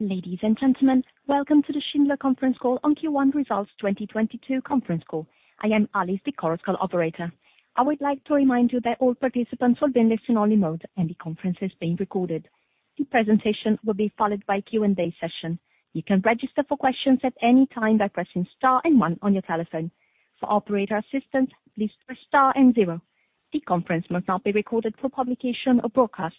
Ladies and gentlemen, welcome to the Schindler conference call on Q1 Results 2022 conference call. I am Alice, the conference call operator. I would like to remind you that all participants will be in listen-only mode and the conference is being recorded. The presentation will be followed by Q&A session. You can register for questions at any time by pressing star and one on your telephone. For operator assistance, please press star and zero. The conference must not be recorded for publication or broadcast.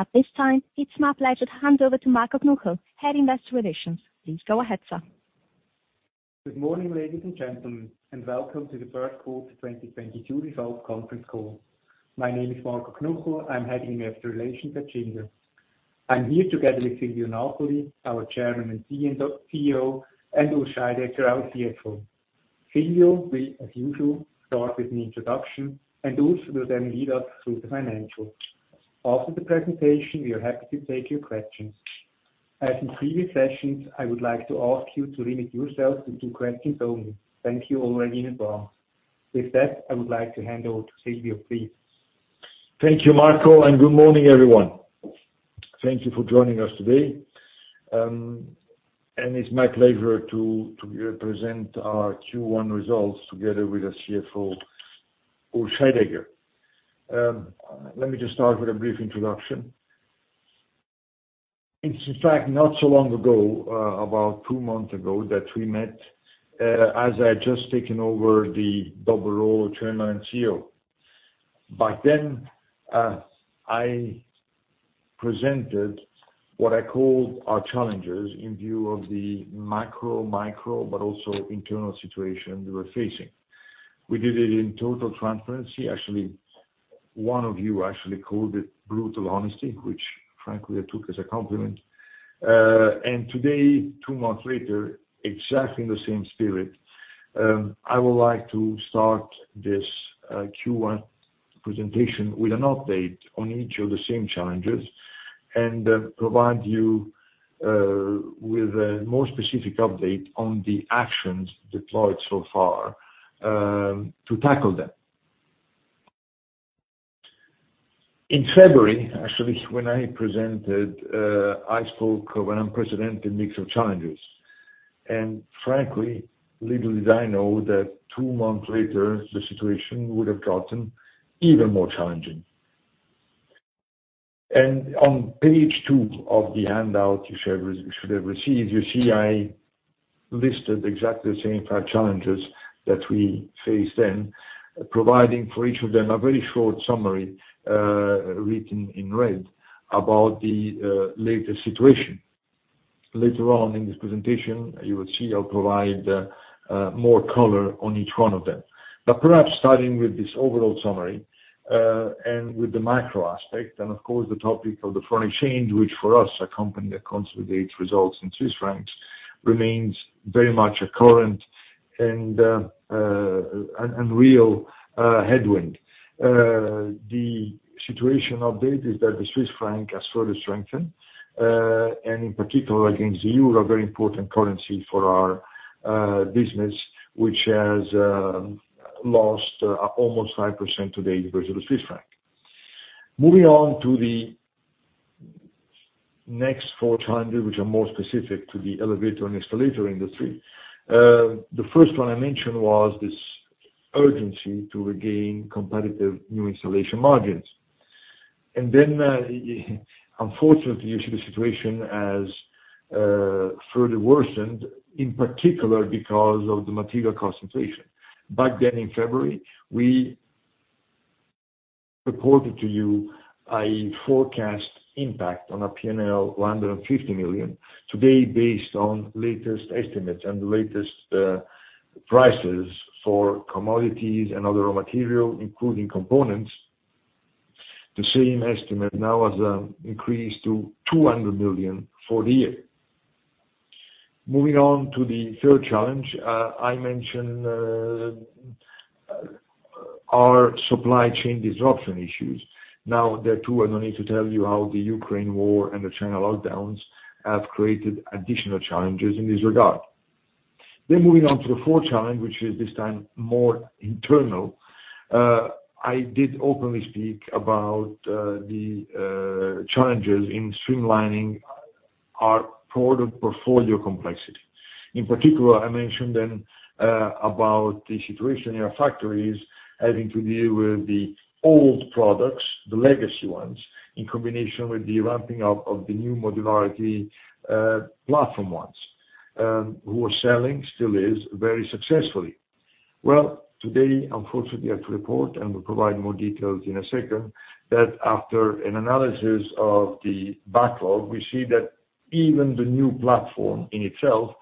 At this time, it's my pleasure to hand over to Marco Knuchel, Head Investor Relations. Please go ahead, sir. Good morning, ladies and gentlemen, and welcome to the first quarter 2022 results conference call. My name is Marco Knuchel. I'm Head Investor Relations at Schindler. I'm here together with Silvio Napoli, our Chairman and CEO, and Urs Scheidegger, our CFO. Silvio will, as usual, start with an introduction, and Urs will then lead us through the financials. After the presentation, we are happy to take your questions. As in previous sessions, I would like to ask you to limit yourselves to two questions only. Thank you already in advance. With that, I would like to hand over to Silvio, please. Thank you, Marco, and good morning, everyone. Thank you for joining us today, and it's my pleasure to present our Q1 results together with our CFO, Urs Scheidegger. Let me just start with a brief introduction. It's in fact not so long ago, about two months ago that we met, as I had just taken over the double role of Chairman and CEO. Back then, I presented what I called our challenges in view of the macro, micro, but also internal situation we were facing. We did it in total transparency. Actually, one of you actually called it brutal honesty, which frankly I took as a compliment. Today, two months later, exactly in the same spirit, I would like to start this Q1 presentation with an update on each of the same challenges and provide you with a more specific update on the actions deployed so far to tackle them. In February, actually, when I presented, I spoke of an unprecedented mix of challenges. Frankly, little did I know that two months later, the situation would have gotten even more challenging. On page two of the handout you should have received, you see I listed exactly the same five challenges that we faced then, providing for each of them a very short summary written in red about the latest situation. Later on in this presentation, you will see I'll provide more color on each one of them. Perhaps starting with this overall summary, and with the macro aspect, and of course, the topic of the foreign exchange, which for us, a company that consolidates results in Swiss francs, remains very much a current and real headwind. The situation update is that the Swiss franc has further strengthened, and in particular against the euro, a very important currency for our business, which has lost almost 5% today versus the Swiss franc. Moving on to the next four challenges which are more specific to the elevator and escalator industry. The first one I mentioned was this urgency to regain competitive New Installation margins. Unfortunately, you see the situation has further worsened, in particular because of the material cost inflation. Back then in February, we reported to you a forecast impact on our P&L 150 million. Today, based on latest estimates and the latest prices for commodities and other raw material, including components, the same estimate now has increased to 200 million for the year. Moving on to the third challenge, I mentioned our supply chain disruption issues. Now there too I don't need to tell you how the Ukraine war and the China lockdowns have created additional challenges in this regard. Moving on to the fourth challenge, which is this time more internal. I did openly speak about the challenges in streamlining our product portfolio complexity. In particular, I mentioned then about the situation in our factories having to deal with the old products, the legacy ones, in combination with the ramping up of the new modular platform ones, which are still selling very successfully. Well, today, unfortunately, I have to report and will provide more details in a second, that after an analysis of the backlog, we see that even the new platform in itself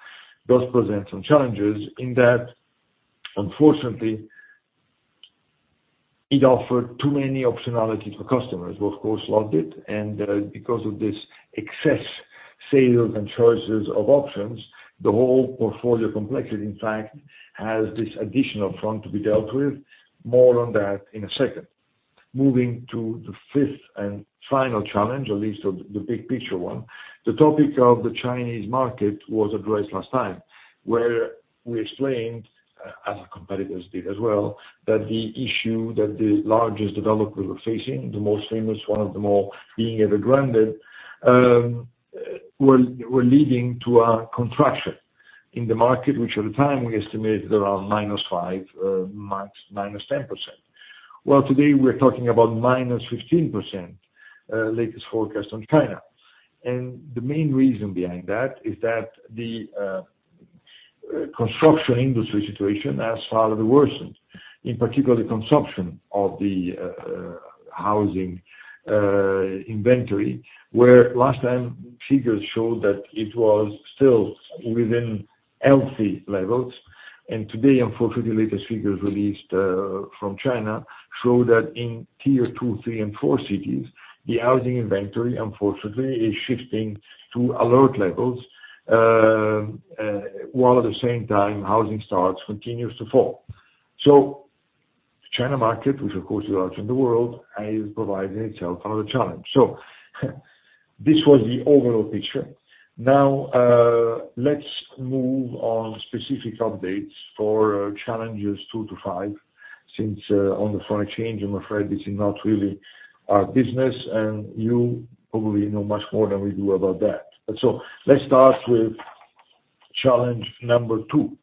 does present some challenges in that unfortunately it offered too many optionalities for customers who of course loved it. Because of this excess sales and choices of options, the whole portfolio complexity, in fact, has this additional front to be dealt with. More on that in a second. Moving to the fifth and final challenge, at least of the big picture one. The topic of the Chinese market was addressed last time, where we explained, as our competitors did as well, that the issue that the largest developers were facing, the most famous one of them all being Evergrande, were leading to a contraction in the market, which at the time we estimated around -5%-10%. Well, today we're talking about -15%, latest forecast on China. The main reason behind that is that the construction industry situation has further worsened, in particular, the consumption of the housing inventory. Where last time figures showed that it was still within healthy levels, and today, unfortunately, the latest figures released from China show that in tier 2, 3, and 4 cities, the housing inventory unfortunately is shifting to alert levels, while at the same time, housing starts continues to fall. The China market, which of course is large in the world, is providing itself another challenge. This was the overall picture. Now, let's move on specific updates for challenges two or five, since on the foreign exchange, I'm afraid this is not really our business, and you probably know much more than we do about that. Let's start with challenge number two,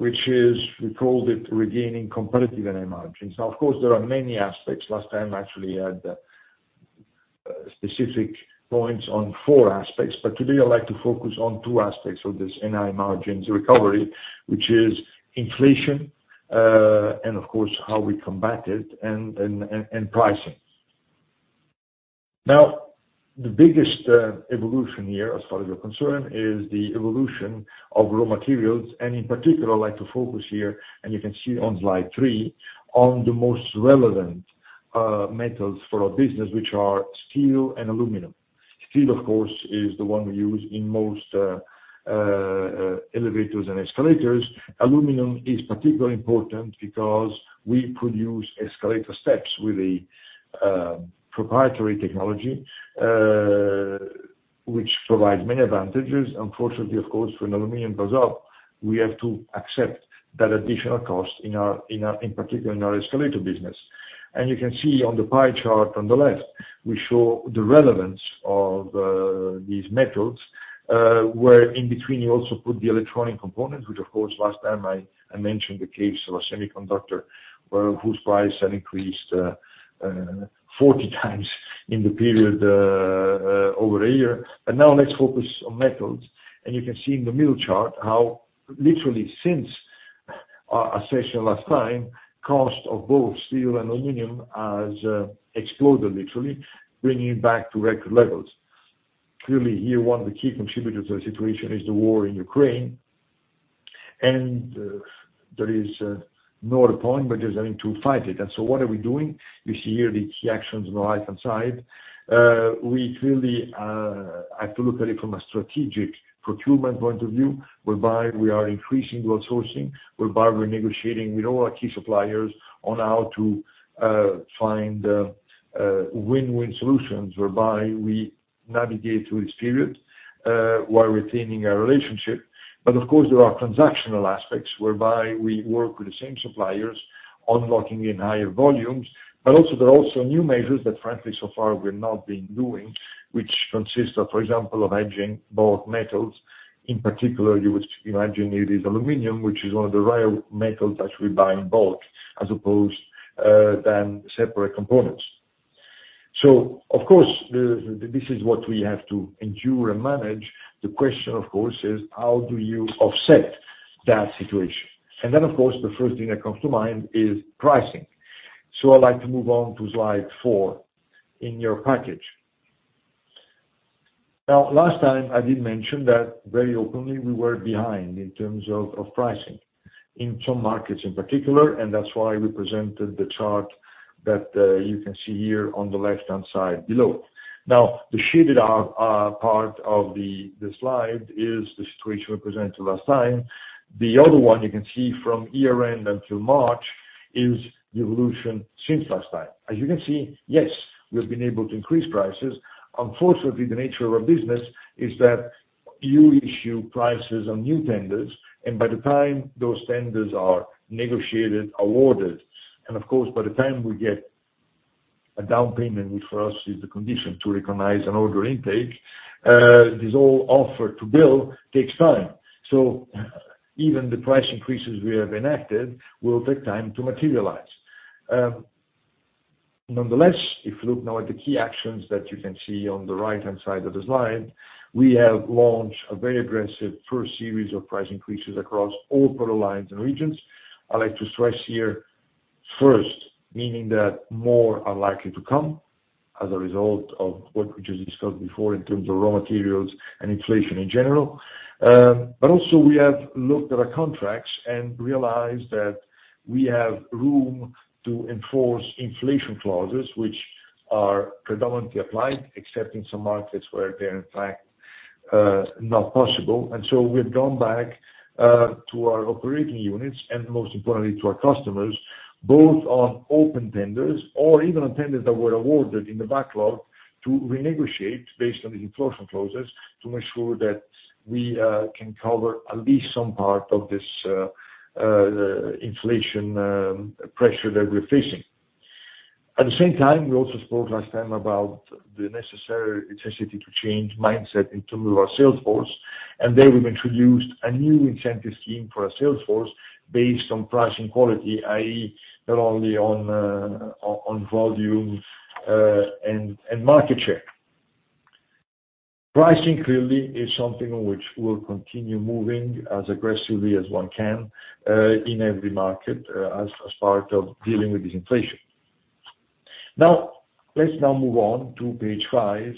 which is we called it regaining competitive NI margins. Now of course, there are many aspects. Last time I actually had specific points on four aspects, but today I'd like to focus on two aspects of this NI margins recovery, which is inflation, and of course, how we combat it, and pricing. Now, the biggest evolution here,, as far as we're concerned, is the evolution of raw materials, and in particular, I'd like to focus here, and you can see on slide three, on the most relevant metals for our business, which are steel and aluminum. Steel, of course, is the one we use in most elevators and escalators. Aluminum is particularly important because we produce escalator steps with a proprietary technology, which provides many advantages. Unfortunately, of course, when aluminum goes up, we have to accept that additional cost in particular in our escalator business. You can see on the pie chart on the left, we show the relevance of these metals, where in between you also put the electronic components, which of course, last time I mentioned the case of a semiconductor whose price had increased 40 times in the period over a year. Now let's focus on metals. You can see in the middle chart how literally since our session last time, cost of both steel and aluminum has exploded literally, bringing it back to record levels. Clearly here, one of the key contributors to the situation is the war in Ukraine, and there is no other point but just having to fight it. What are we doing? You see here the key actions on the right-hand side. We clearly have to look at it from a strategic procurement point of view, whereby we are increasing outsourcing, whereby we're negotiating with all our key suppliers on how to find win-win solutions, whereby we navigate through this period while retaining our relationship. Of course, there are transactional aspects whereby we work with the same suppliers on locking in higher volumes. Also, there are new measures that frankly, so far we've not been doing, which consist of, for example, hedging bulk metals. In particular, you would imagine it is aluminum, which is one of the rare metals that we buy in bulk as opposed to separate components. Of course, this is what we have to endure and manage. The question, of course, is how do you offset that situation? Of course, the first thing that comes to mind is pricing. I'd like to move on to slide four in your package. Now, last time I did mention that very openly we were behind in terms of pricing in some markets in particular, and that's why we presented the chart that you can see here on the left-hand side below. Now, the shaded out part of the slide is the situation we presented last time. The other one you can see from year-end until March is the evolution since last time. As you can see, yes, we have been able to increase prices. Unfortunately, the nature of our business is that you issue prices on new tenders, and by the time those tenders are negotiated, awarded, and of course, by the time we get a down payment, which for us is the condition to recognize an order intake, this all order to bill takes time. Even the price increases we have enacted will take time to materialize. Nonetheless, if you look now at the key actions that you can see on the right-hand side of the slide, we have launched a very aggressive first series of price increases across all product lines and regions. I'd like to stress here first, meaning that more are likely to come as a result of what we just discussed before in terms of raw materials and inflation in general. We have looked at our contracts and realized that we have room to enforce inflation clauses, which are predominantly applied, except in some markets where they're in fact not possible. We've gone back to our operating units and most importantly to our customers, both on open tenders or even on tenders that were awarded in the backlog, to renegotiate based on the inflation clauses to make sure that we can cover at least some part of this inflation pressure that we're facing. At the same time, we also spoke last time about the necessity to change mindset in terms of our sales force. There we've introduced a new incentive scheme for our sales force based on pricing quality, i.e. not only on volume and market share. Pricing clearly is something on which we will continue moving as aggressively as one can in every market, as part of dealing with this inflation. Now, let's move on to page five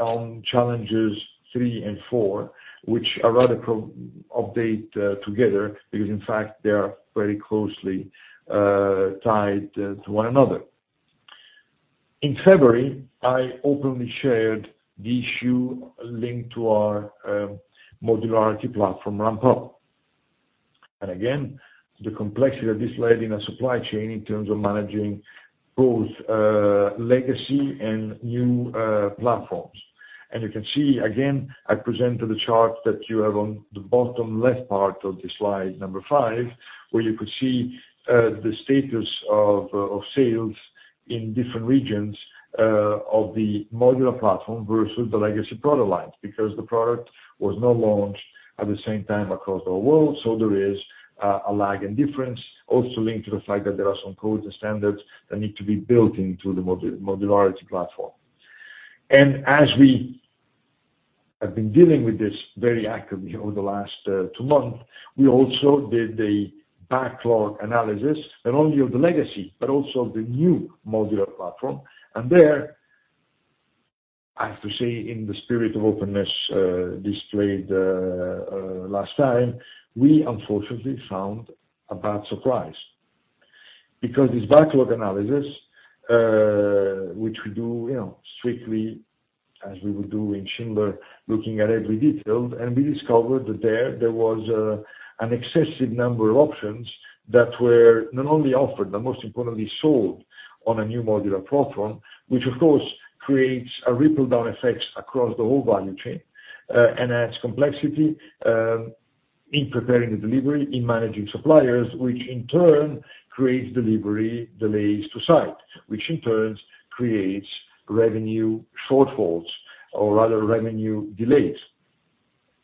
on challenges three and four, which are rather provide an update together, because in fact, they are very closely tied to one another. In February, I openly shared the issue linked to our modular platform ramp up. Again, the complexity of this led to a supply chain in terms of managing both legacy and new platforms. You can see, again, I present to the chart that you have on the bottom left part of the slide number five, where you could see the status of sales in different regions of the modular platform versus the legacy product line, because the product was not launched at the same time across the world. There is a lag and difference also linked to the fact that there are some codes and standards that need to be built into the modularity platform. As we have been dealing with this very actively over the last two months, we also did the backlog analysis, not only of the legacy, but also of the new modular platform. There, I have to say, in the spirit of openness displayed last time, we unfortunately found a bad surprise. Because this backlog analysis, which we do, you know, strictly as we would do in Schindler, looking at every detail, and we discovered that there was an excessive number of options that were not only offered, but most importantly, sold on a new modular platform. Which of course creates a ripple down effect across the whole value chain, and adds complexity in preparing the delivery, in managing suppliers, which in turn creates delivery delays to site, which in turn creates revenue shortfalls or rather revenue delays.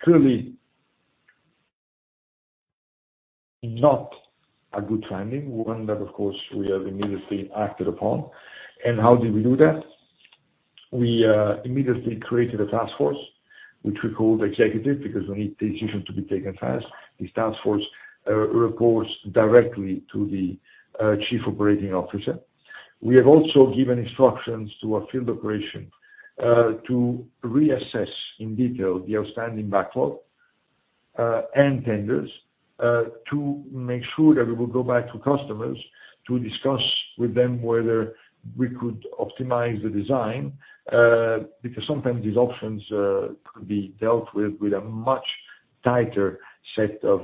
Clearly not a good finding. One that, of course, we have immediately acted upon. How did we do that? We immediately created a task force, which we called executive, because we need decisions to be taken fast. This task force reports directly to the Chief Operating Officer. We have also given instructions to our field operation to reassess in detail the outstanding backlog and tenders to make sure that we will go back to customers to discuss with them whether we could optimize the design because sometimes these options could be dealt with with a much tighter set of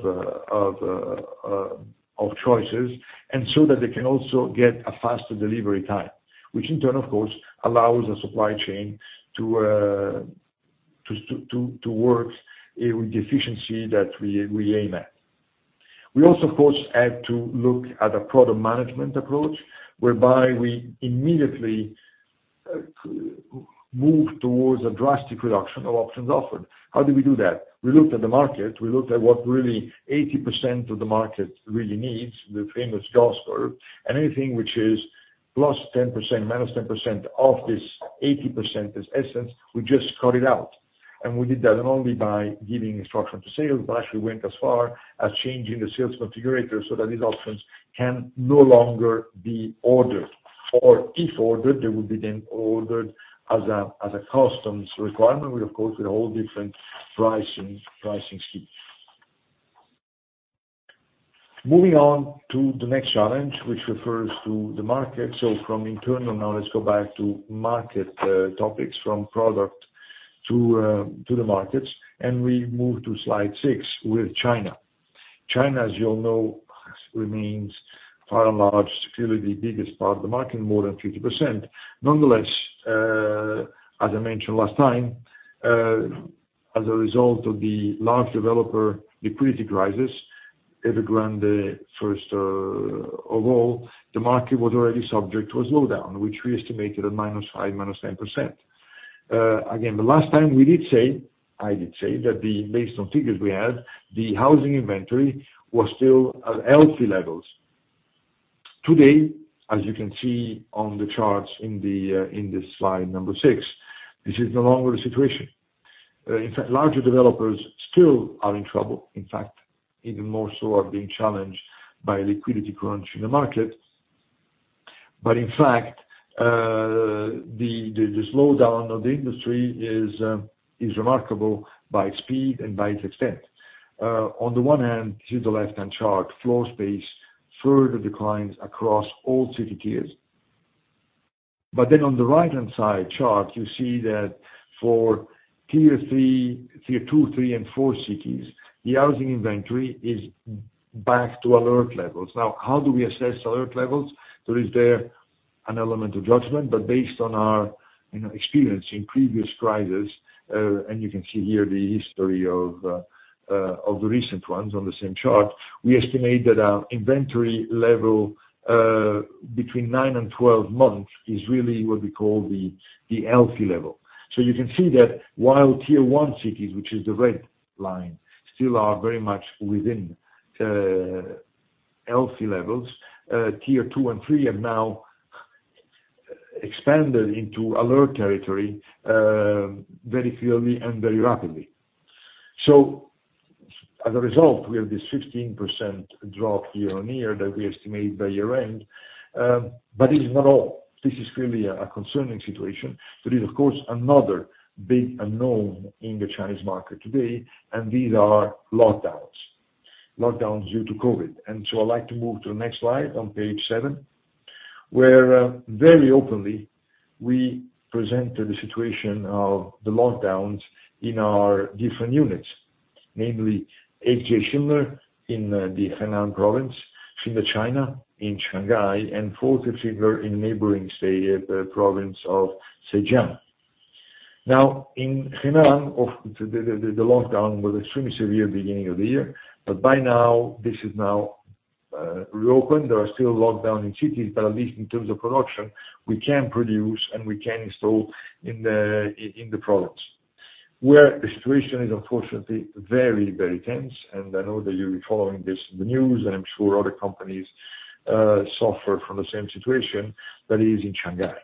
choices and so that they can also get a faster delivery time which in turn of course allows the supply chain to work with the efficiency that we aim at. We also of course had to look at a product management approach whereby we immediately move towards a drastic reduction of options offered. How do we do that? We looked at the market. We looked at what really 80% of the market really needs, the famous Gauss curve, and anything which is +10%, -10% of this 80%, this essence, we just cut it out. We did that not only by giving instruction to sales, but actually went as far as changing the sales configurator so that these options can no longer be ordered. If ordered, they would be then ordered as a customer requirement, with, of course, a whole different pricing scheme. Moving on to the next challenge, which refers to the market. From internal, now let's go back to market topics from product to the markets. We move to slide six with China. China, as you all know, remains by and large, clearly the biggest part of the market, more than 50%. Nonetheless, as I mentioned last time, as a result of the large developer liquidity crisis, Evergrande first of all, the market was already subject to a slowdown, which we estimated at -5%-10%. Again, the last time we did say, I did say that based on figures we had, the housing inventory was still at healthy levels. Today, as you can see on the charts in this slide number 6, this is no longer the situation. In fact, larger developers still are in trouble. In fact, even more so are being challenged by a liquidity crunch in the market. In fact, the slowdown of the industry is remarkable by speed and by its extent. On the one hand, see the left-hand chart, floor space further declines across all city tiers. On the right-hand side chart, you see that for tier three, tier two, three, and four cities, the housing inventory is back to alert levels. How do we assess alert levels? Is there an element of judgment, but based on our experience in previous crisis, and you can see here the history of the recent ones on the same chart, we estimate that inventory level between nine and 12 months is really what we call the healthy level. You can see that while tier one cities, which is the red line, still are very much within healthy levels, tier two and three have now expanded into alert territory very clearly and very rapidly. As a result, we have this 15% drop year-on-year that we estimate by year end. This is not all. This is clearly a concerning situation, but it is of course another big unknown in the Chinese market today, and these are lockdowns. Lockdowns due to COVID. I'd like to move to the next slide on page seven, where very openly, we present the situation of the lockdowns in our different units, namely XJ-Schindler in the Henan Province, Schindler China in Shanghai, and Volkslift Schindler in neighboring province of Zhejiang. Now, in Henan, of the lockdown was extremely severe beginning of the year. But by now this is reopened. There are still lockdowns in cities, but at least in terms of production, we can produce and we can install in the province. The situation is unfortunately very, very tense, and I know that you'll be following this in the news, and I'm sure other companies suffer from the same situation, that is in Shanghai.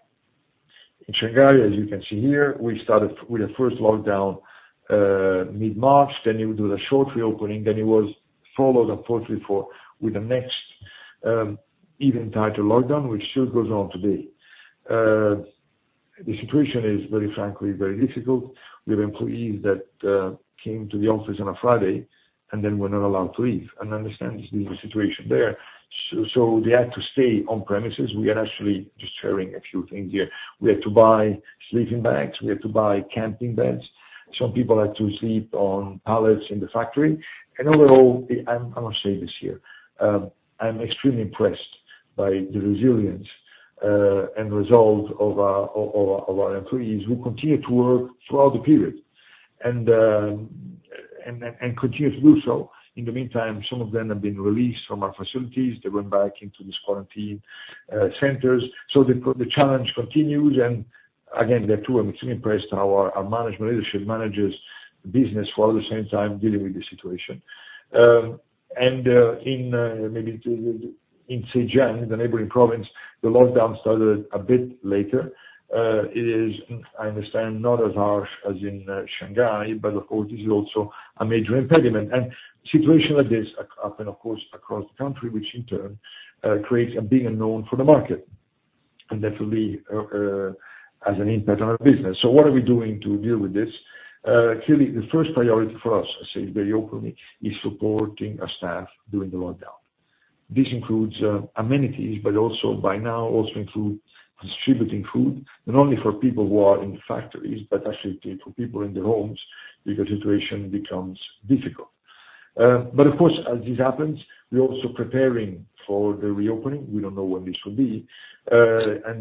In Shanghai, as you can see here, we started with the first lockdown mid-March. Then you do the short reopening, then it was followed unfortunately with the next even tighter lockdown, which still goes on today. The situation is very frankly, very difficult. We have employees that came to the office on a Friday and then were not allowed to leave. Understand this is the situation there. They had to stay on premises. We are actually just sharing a few things here. We had to buy sleeping bags. We had to buy camping beds. Some people had to sleep on pallets in the factory. Overall, I must say this here, I'm extremely impressed by the resilience and resolve of our employees who continued to work throughout the period, and continue to do so. In the meantime, some of them have been released from our facilities. They went back into these quarantine centers. So the challenge continues. Again, there too, I'm extremely impressed how our management leadership manages business while at the same time dealing with the situation. Maybe too, in Zhejiang, the neighboring province, the lockdown started a bit later. It is, I understand, not as harsh as in Shanghai, but of course this is also a major impediment. Situation like this happen of course across the country, which in turn creates a big unknown for the market and definitely has an impact on our business. What are we doing to deal with this? Clearly, the first priority for us, I say very openly, is supporting our staff during the lockdown. This includes amenities, but also by now includes distributing food. Not only for people who are in the factories, but actually for people in their homes, because the situation becomes difficult. Of course, as this happens, we're also preparing for the reopening. We don't know when this will be.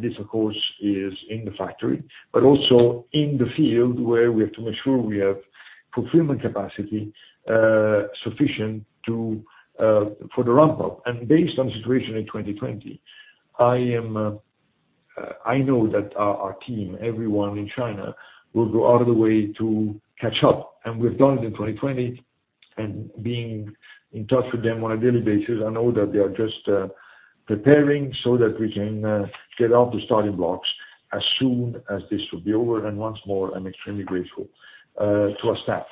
This of course is in the factory, but also in the field where we have to make sure we have fulfillment capacity sufficient for the ramp up. Based on the situation in 2020, I know that our team, everyone in China, will go out of the way to catch up, and we've done it in 2020. Being in touch with them on a daily basis, I know that they are just preparing so that we can get off the starting blocks as soon as this will be over. Once more, I'm extremely grateful to our staff.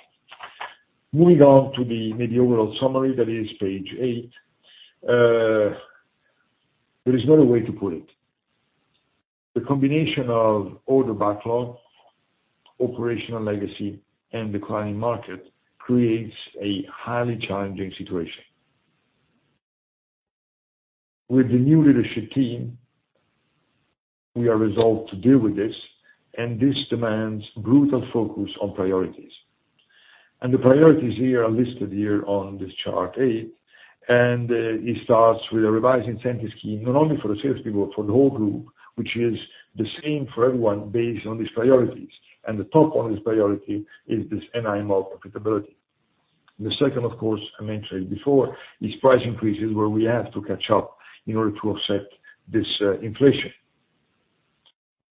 Moving on to the maybe overall summary that is page eight. There is no other way to put it. The combination of order backlog, operational legacy, and declining market creates a highly challenging situation. With the new leadership team, we are resolved to deal with this, and this demands brutal focus on priorities. The priorities here are listed here on this chart eight, and it starts with a revised incentive scheme, not only for the salespeople, for the whole group, which is the same for everyone based on these priorities. The top on this priority is this NI margin profitability. The second, of course I mentioned before, is price increases, where we have to catch up in order to offset this, inflation.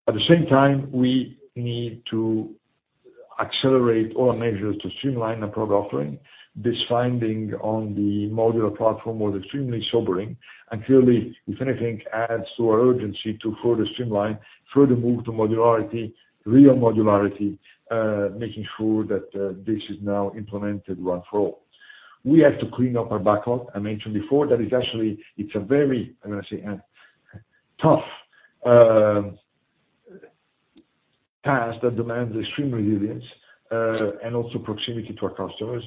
At the same time, we need to accelerate all measures to streamline the product offering. This finding on the modular platform was extremely sobering, and clearly if anything adds to our urgency to further streamline, further move to modularity, real modularity, making sure that, this is now implemented once and for all. We have to clean up our backlog. I mentioned before that is actually, it's a very, I'm gonna say, tough, task that demands extreme resilience, and also proximity to our customers,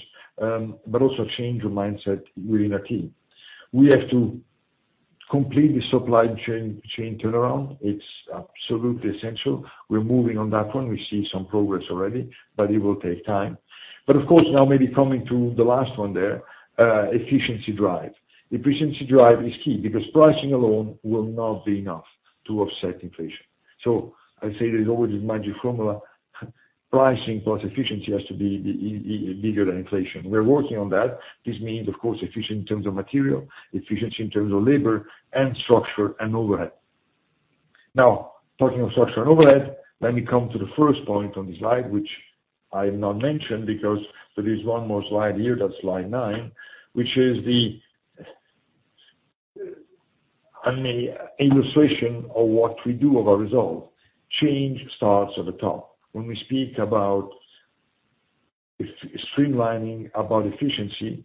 but also change of mindset within our team. We have to complete the supply chain turnaround. It's absolutely essential. We're moving on that one. We see some progress already, but it will take time. Of course now maybe coming to the last one there, efficiency drive. Efficiency drive is key because pricing alone will not be enough to offset inflation. I say there's always a magic formula. Pricing plus efficiency has to be bigger than inflation. We're working on that. This means, of course, efficiency in terms of material, efficiency in terms of labor and structure and overhead. Now talking of structure and overhead, let me come to the first point on this slide, which I have not mentioned, because there is one more slide here, that's slide nine, which is an illustration of what we've done with our results. Change starts at the top. When we speak about streamlining, about efficiency,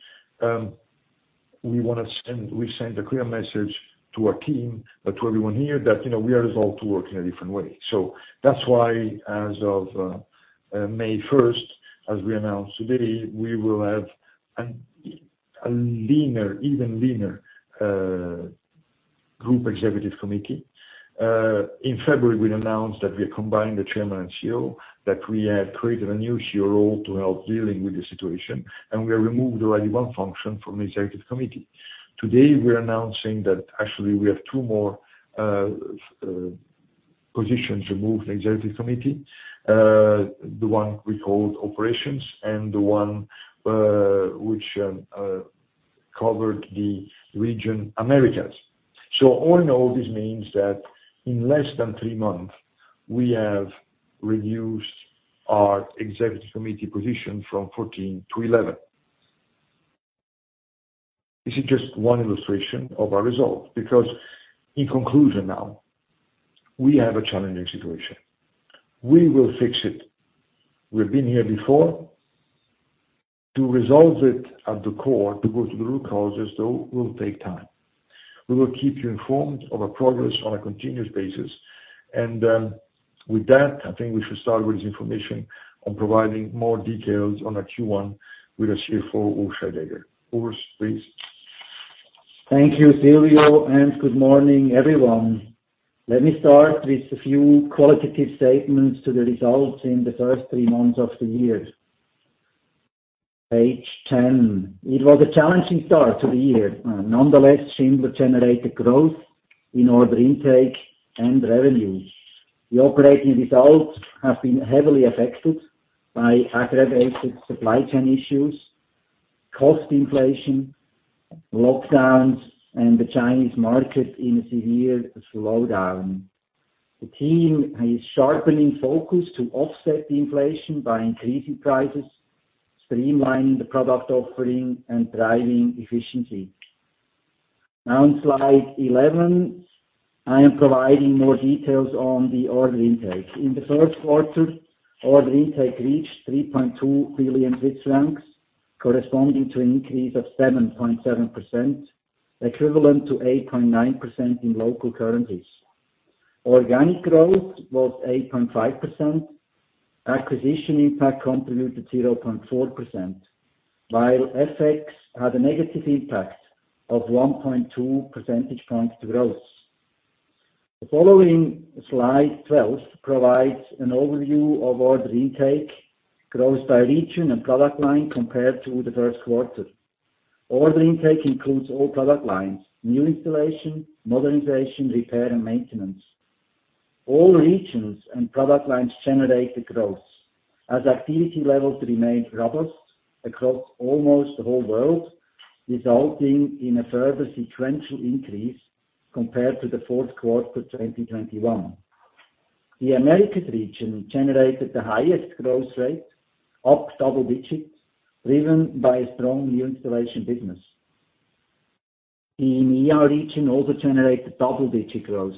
we send a clear message to our team, but to everyone here that, you know, we are resolved to work in a different way. That's why as of May 1, as we announced today, we will have a leaner group executive committee. In February, we announced that we are combining the Chairman and CEO, that we have created a new CEO role to help dealing with the situation. We removed already one function from the executive committee. Today we are announcing that actually we have two more positions removed from the Executive Committee, the one we called operations and the one which covered the region Americas. All in all, this means that in less than three months, we have reduced our Executive Committee position from 14 to 11. This is just one illustration of our results, because in conclusion now, we have a challenging situation. We will fix it. We've been here before. To resolve it at the core, to go to the root causes, though, will take time. We will keep you informed of our progress on a continuous basis. With that, I think we should start with this information on providing more details on our Q1 with our CFO, Urs Scheidegger. Urs, please. Thank you, Silvio, and good morning, everyone. Let me start with a few qualitative statements to the results in the first three months of the year. Page 10. It was a challenging start to the year. Nonetheless, Schindler generated growth in order intake and revenues. The operating results have been heavily affected by aggravated supply chain issues, cost inflation, lockdowns, and the Chinese market in a severe slowdown. The team is sharpening focus to offset the inflation by increasing prices, streamlining the product offering, and driving efficiency. Now on slide 11, I am providing more details on the order intake. In the first quarter, order intake reached 3.2 billion Swiss francs, corresponding to an increase of 7.7%, equivalent to 8.9% in local currencies. Organic growth was 8.5%. Acquisition impact contributed 0.4%, while FX had a negative impact of 1.2 percentage points to growth. The following slide 12 provides an overview of order intake growth by region and product line compared to the first quarter. Order intake includes all product lines, new installation, modernization, repair and maintenance. All regions and product lines generated growth as activity levels remained robust across almost the whole world, resulting in a further sequential increase compared to the fourth quarter of 2021. The Americas region generated the highest growth rate, up double digits, driven by a strong new installation business. The EMEA region also generated double-digit growth,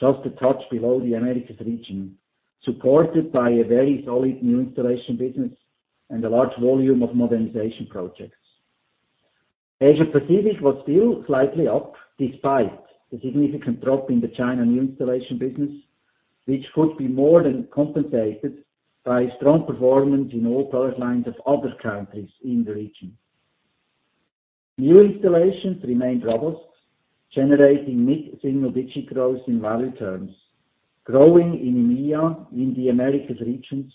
just a touch below the Americas region, supported by a very solid new installation business and a large volume of modernization projects. Asia Pacific was still slightly up despite the significant drop in the China new installation business, which could be more than compensated by strong performance in all product lines of other countries in the region. New installations remained robust, generating mid-single-digit growth in value terms, growing in EMEA, in the Americas region,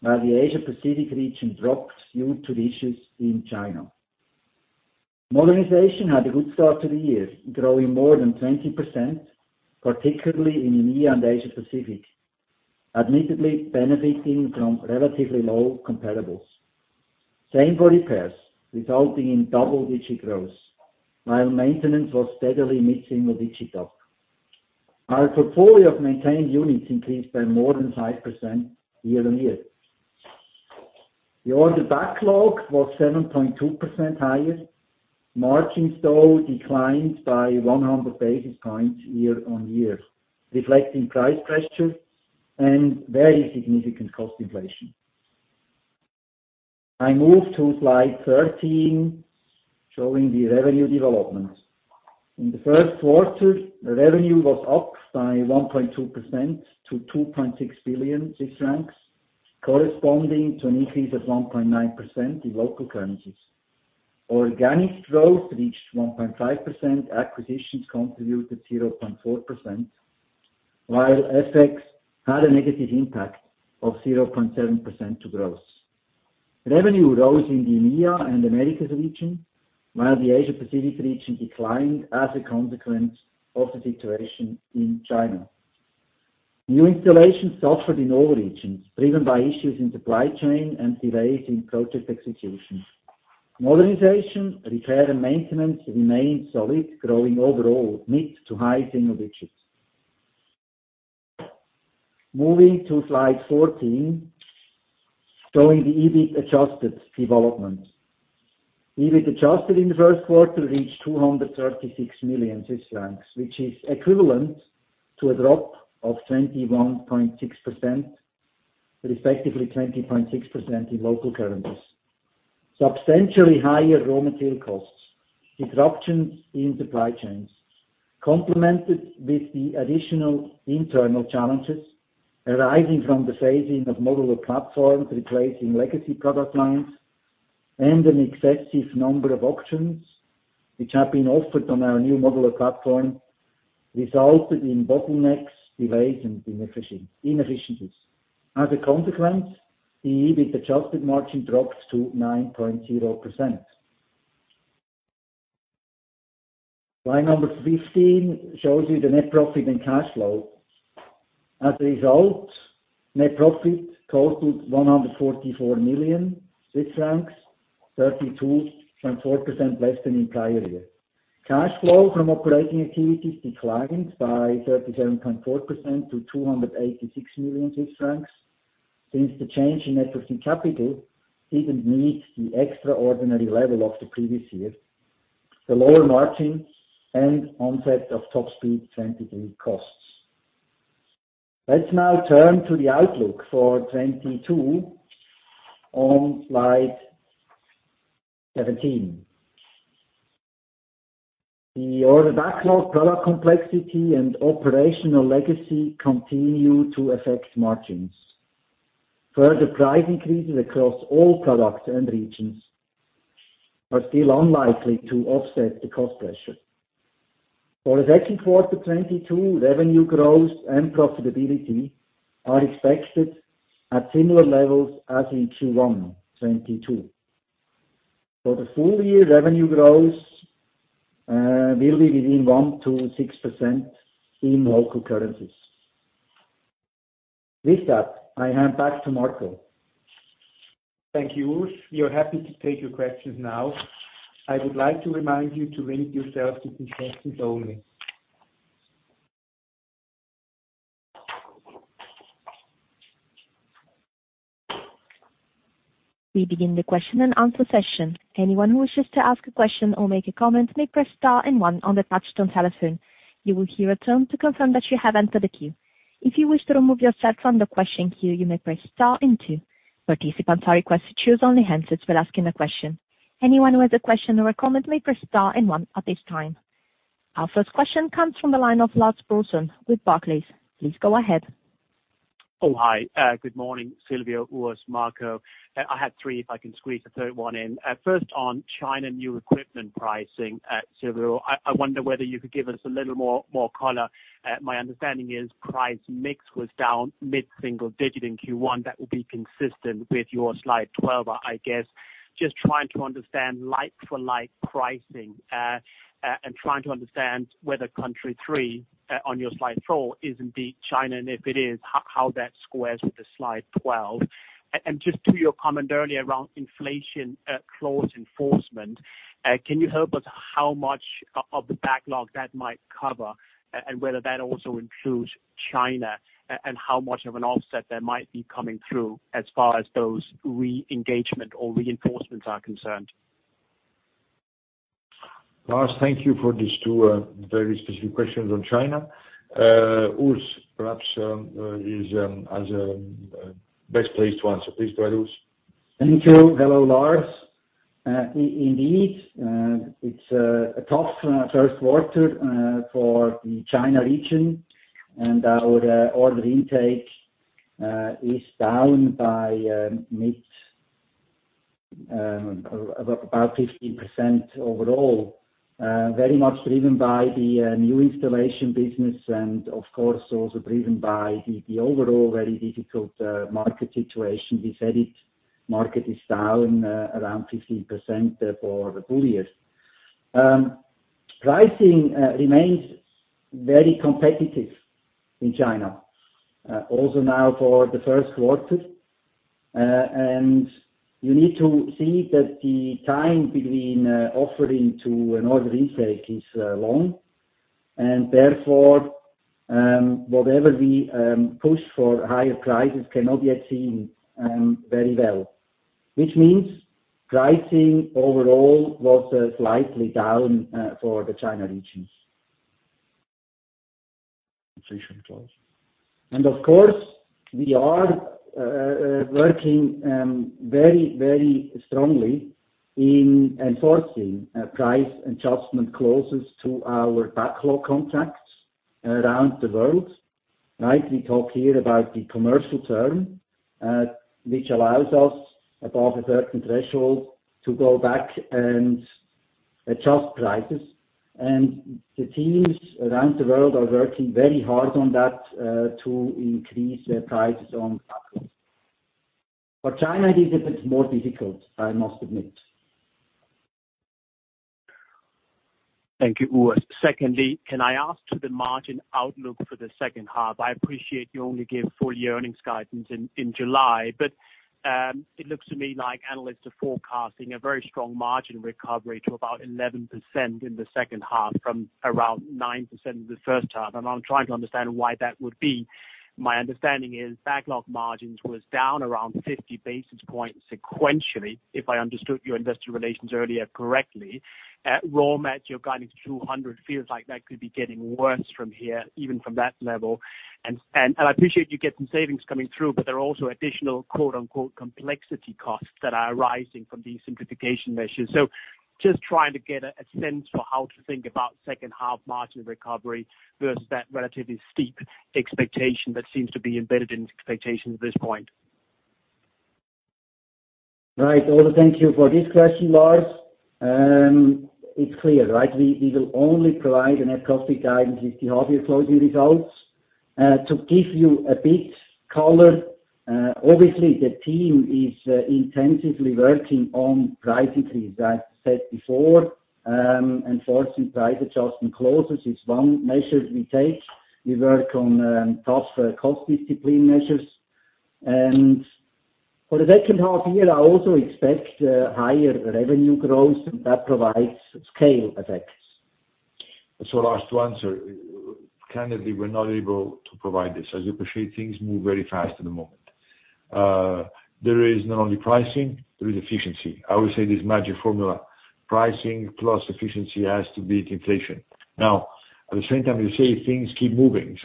while the Asia Pacific region dropped due to the issues in China. Modernization had a good start to the year, growing more than 20%, particularly in EMEA and Asia Pacific, admittedly benefiting from relatively low comparables. Same for repairs, resulting in double-digit growth, while maintenance was steadily mid-single-digit up. Our portfolio of maintained units increased by more than 5% year-over-year. The order backlog was 7.2% higher. Margins though declined by 100 basis points year-over-year, reflecting price pressure and very significant cost inflation. I move to slide 13, showing the revenue development. In the first quarter, the revenue was up by 1.2% to 2.6 billion, corresponding to an increase of 1.9% in local currencies. Organic growth reached 1.5%. Acquisitions contributed 0.4%, while FX had a negative impact of 0.7% to growth. Revenue rose in the EMEA and Americas region, while the Asia Pacific region declined as a consequence of the situation in China. New installations suffered in all regions, driven by issues in supply chain and delays in project execution. Modernization, repair, and maintenance remained solid, growing overall mid to high single digits. Moving to slide 14, showing the EBIT adjusted development. EBIT adjusted in the first quarter reached 236 million Swiss francs, which is equivalent to a drop of 21.6%, respectively 20.6% in local currencies. Substantially higher raw material costs, disruptions in supply chains, complemented with the additional internal challenges arising from the phasing of modular platforms replacing legacy product lines, and an excessive number of options which have been offered on our new modular platform, resulted in bottlenecks, delays, and inefficiencies. As a consequence, the EBIT adjusted margin drops to 9.0%. Slide 15 shows you the net profit and cash flow. As a result, net profit totaled CHF 144 million, 32.4% less than in prior year. Cash flow from operating activities declined by 37.4% to 286 million Swiss francs. Since the change in equity capital didn't meet the extraordinary level of the previous year, the lower margin and onset of Top Speed 23 costs. Let's now turn to the outlook for 2022 on slide 17. The order backlog, product complexity, and operational legacy continue to affect margins. Further price increases across all products and regions are still unlikely to offset the cost pressure. For the second quarter 2022, revenue growth and profitability are expected at similar levels as in Q1 2022. For the full year, revenue growth will be within 1%-6% in local currencies. With that, I hand back to Marco. Thank you, Urs. We are happy to take your questions now. I would like to remind you to limit yourself to two questions only. We begin the question and answer session. Anyone who wishes to ask a question or make a comment may press star and one on the touchtone telephone. You will hear a tone to confirm that you have entered the queue. If you wish to remove yourself from the question queue, you may press star and two. Participants are requested to use only handsets when asking a question. Anyone who has a question or a comment may press star and one at this time. Our first question comes from the line of Lars Brorson with Barclays. Please go ahead. Oh, hi. Good morning, Silvio, Urs, Marco. I had three if I can squeeze a third one in. First on China new equipment pricing, Silvio. I wonder whether you could give us a little more color. My understanding is price mix was down mid-single digit in Q1. That would be consistent with your slide 12, I guess. Just trying to understand like for like pricing, and trying to understand whether country three on your slide four is indeed China, and if it is, how that squares with the slide 12. Just to your comment earlier around inflation clause enforcement, can you help us how much of the backlog that might cover, and whether that also includes China, and how much of an offset that might be coming through as far as those re-engagement or reinforcements are concerned? Lars, thank you for these two very specific questions on China. Urs, perhaps, is best placed to answer. Please go ahead, Urs. Thank you. Hello, Lars. Indeed, it's a tough first quarter for the China region, and our order intake is down by about 15% overall, very much driven by the new installation business and of course also driven by the overall very difficult market situation. We said it, market is down around 15% for the full year. Pricing remains very competitive in China, also now for the first quarter. You need to see that the time between offering to an order intake is long. Therefore, whatever we push for higher prices cannot be seen very well, which means pricing overall was slightly down for the China regions. Of course, we are working very, very strongly in enforcing price adjustment clauses to our backlog contracts around the world, right? We talk here about the commercial term, which allows us above a certain threshold to go back and adjust prices, and the teams around the world are working very hard on that, to increase their prices on products. For China, it is a bit more difficult, I must admit. Thank you, Urs. Secondly, can I ask about the margin outlook for the second half? I appreciate you only give full year earnings guidance in July, but it looks to me like analysts are forecasting a very strong margin recovery to about 11% in the second half from around 9% in the first half, and I'm trying to understand why that would be. My understanding is backlog margins was down around 50 basis points sequentially, if I understood your investor relations earlier correctly. At raw mat, your guidance 200 feels like that could be getting worse from here, even from that level. I appreciate you get some savings coming through, but there are also additional quote-unquote complexity costs that are arising from these simplification measures. Just trying to get a sense for how to think about second half margin recovery versus that relatively steep expectation that seems to be embedded in expectations at this point. Right. Well, thank you for this question, Lars. It's clear, right? We will only provide a net profit guidance with the obvious closing results. To give you a bit color, obviously the team is intensively working on price increase. I said before, enforcing price adjustment clauses is one measure we take. We work on tough cost discipline measures. For the second half year, I also expect higher revenue growth that provides scale effects. Lars to answer, candidly, we're not able to provide this. As you appreciate, things move very fast at the moment. There is not only pricing, there is efficiency. I would say this magic formula, pricing plus efficiency has to beat inflation. Now, at the same time, you say things keep moving.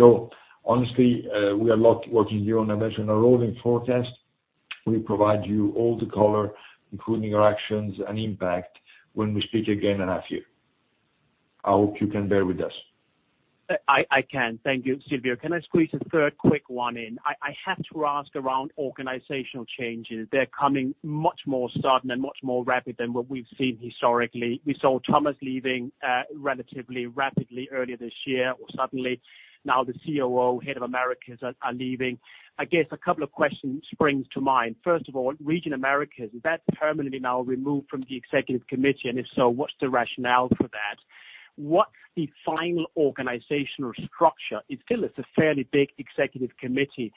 Honestly, we are not working here on a measure, on a rolling forecast. We provide you all the color, including our actions and impact when we speak again in half year. I hope you can bear with us. I can. Thank you. Silvio, can I squeeze a third quick one in? I have to ask around organizational changes. They're coming much more sudden and much more rapid than what we've seen historically. We saw Thomas leaving relatively rapidly earlier this year or suddenly. Now, the COO, head of Americas are leaving. I guess a couple of questions springs to mind. First of all, region Americas, is that permanently now removed from the executive committee? And if so, what's the rationale for that? What's the final organizational structure? It still is a fairly big executive committee.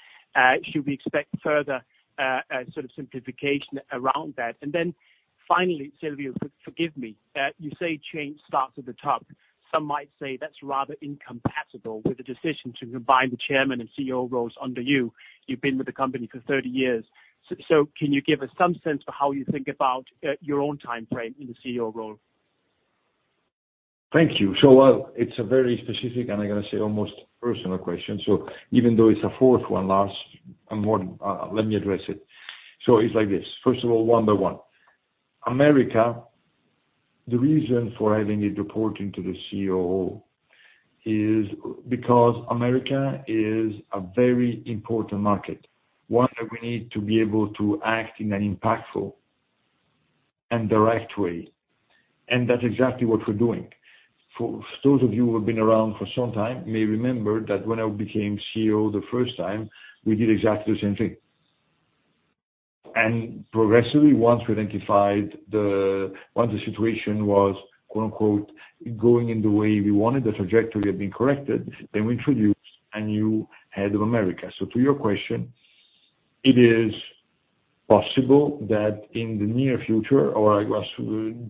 Should we expect further sort of simplification around that? And then finally, Silvio, forgive me. You say change starts at the top. Some might say that's rather incompatible with the decision to combine the chairman and CEO roles under you. You've been with the company for 30 years. Can you give us some sense for how you think about your own timeframe in the CEO role? Thank you. Well, it's a very specific, and I'm gonna say almost personal question. Even though it's a fourth one, Lars, I'm more, let me address it. It's like this. First of all, one by one. America, the reason for having it reporting to the COO is because America is a very important market, one that we need to be able to act in an impactful and direct way, and that's exactly what we're doing. For those of you who have been around for some time may remember that when I became CEO the first time, we did exactly the same thing. Progressively, once the situation was quote unquote going in the way we wanted, the trajectory had been corrected, then we introduced a new head of America. To your question, it is possible that in the near future or I guess,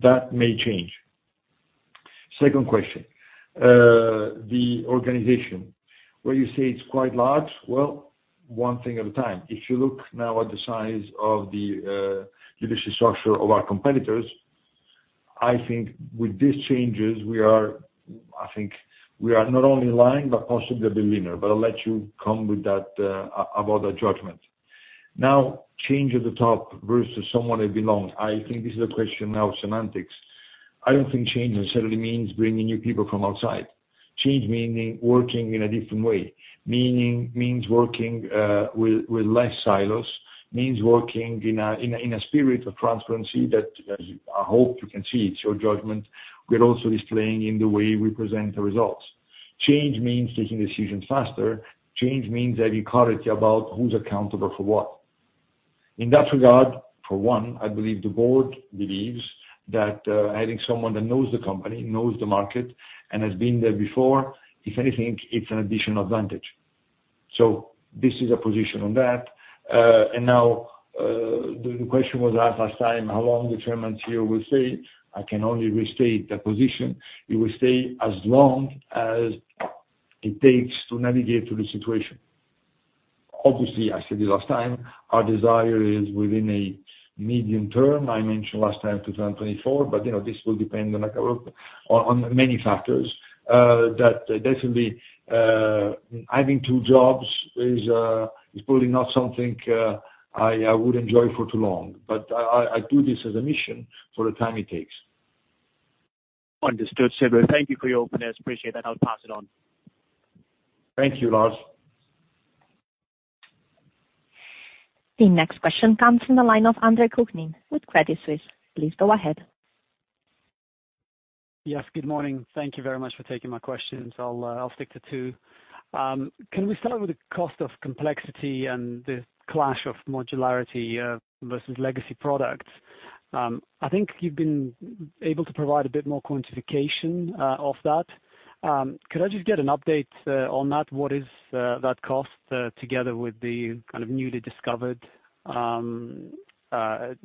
that may change. Second question, the organization, where you say it's quite large, well, one thing at a time. If you look now at the size of the leadership structure of our competitors, I think with these changes we are not only in line, but possibly the winner, but I'll let you come with that about that judgment. Now, change at the top versus someone that belongs, I think this is a question now of semantics. I don't think change necessarily means bringing new people from outside. Change means working in a different way, meaning means working with less silos, means working in a spirit of transparency that I hope you can see. It's your judgment. We're also displaying in the way we present the results. Change means taking decisions faster. Change means having clarity about who's accountable for what. In that regard, for one, I believe the board believes that having someone that knows the company, knows the market, and has been there before, if anything, it's an additional advantage. This is a position on that. Now, the question was asked last time, how long the Chairman and CEO will stay? I can only restate the position. It will stay as long as it takes to navigate through the situation. Obviously, I said this last time, our desire is within a medium term. I mentioned last time 2024, but you know, this will depend on many factors that definitely having two jobs is probably not something. I do this as a mission for the time it takes. Understood, Silvio. Thank you for your openness. Appreciate that. I'll pass it on. Thank you, Lars. The next question comes from the line of Andre Kukhnin with Credit Suisse. Please go ahead. Yes, good morning. Thank you very much for taking my questions. I'll stick to two. Can we start with the cost of complexity and the clash of modularity versus legacy products? I think you've been able to provide a bit more quantification of that. Could I just get an update on that? What is that cost together with the kind of newly discovered complexity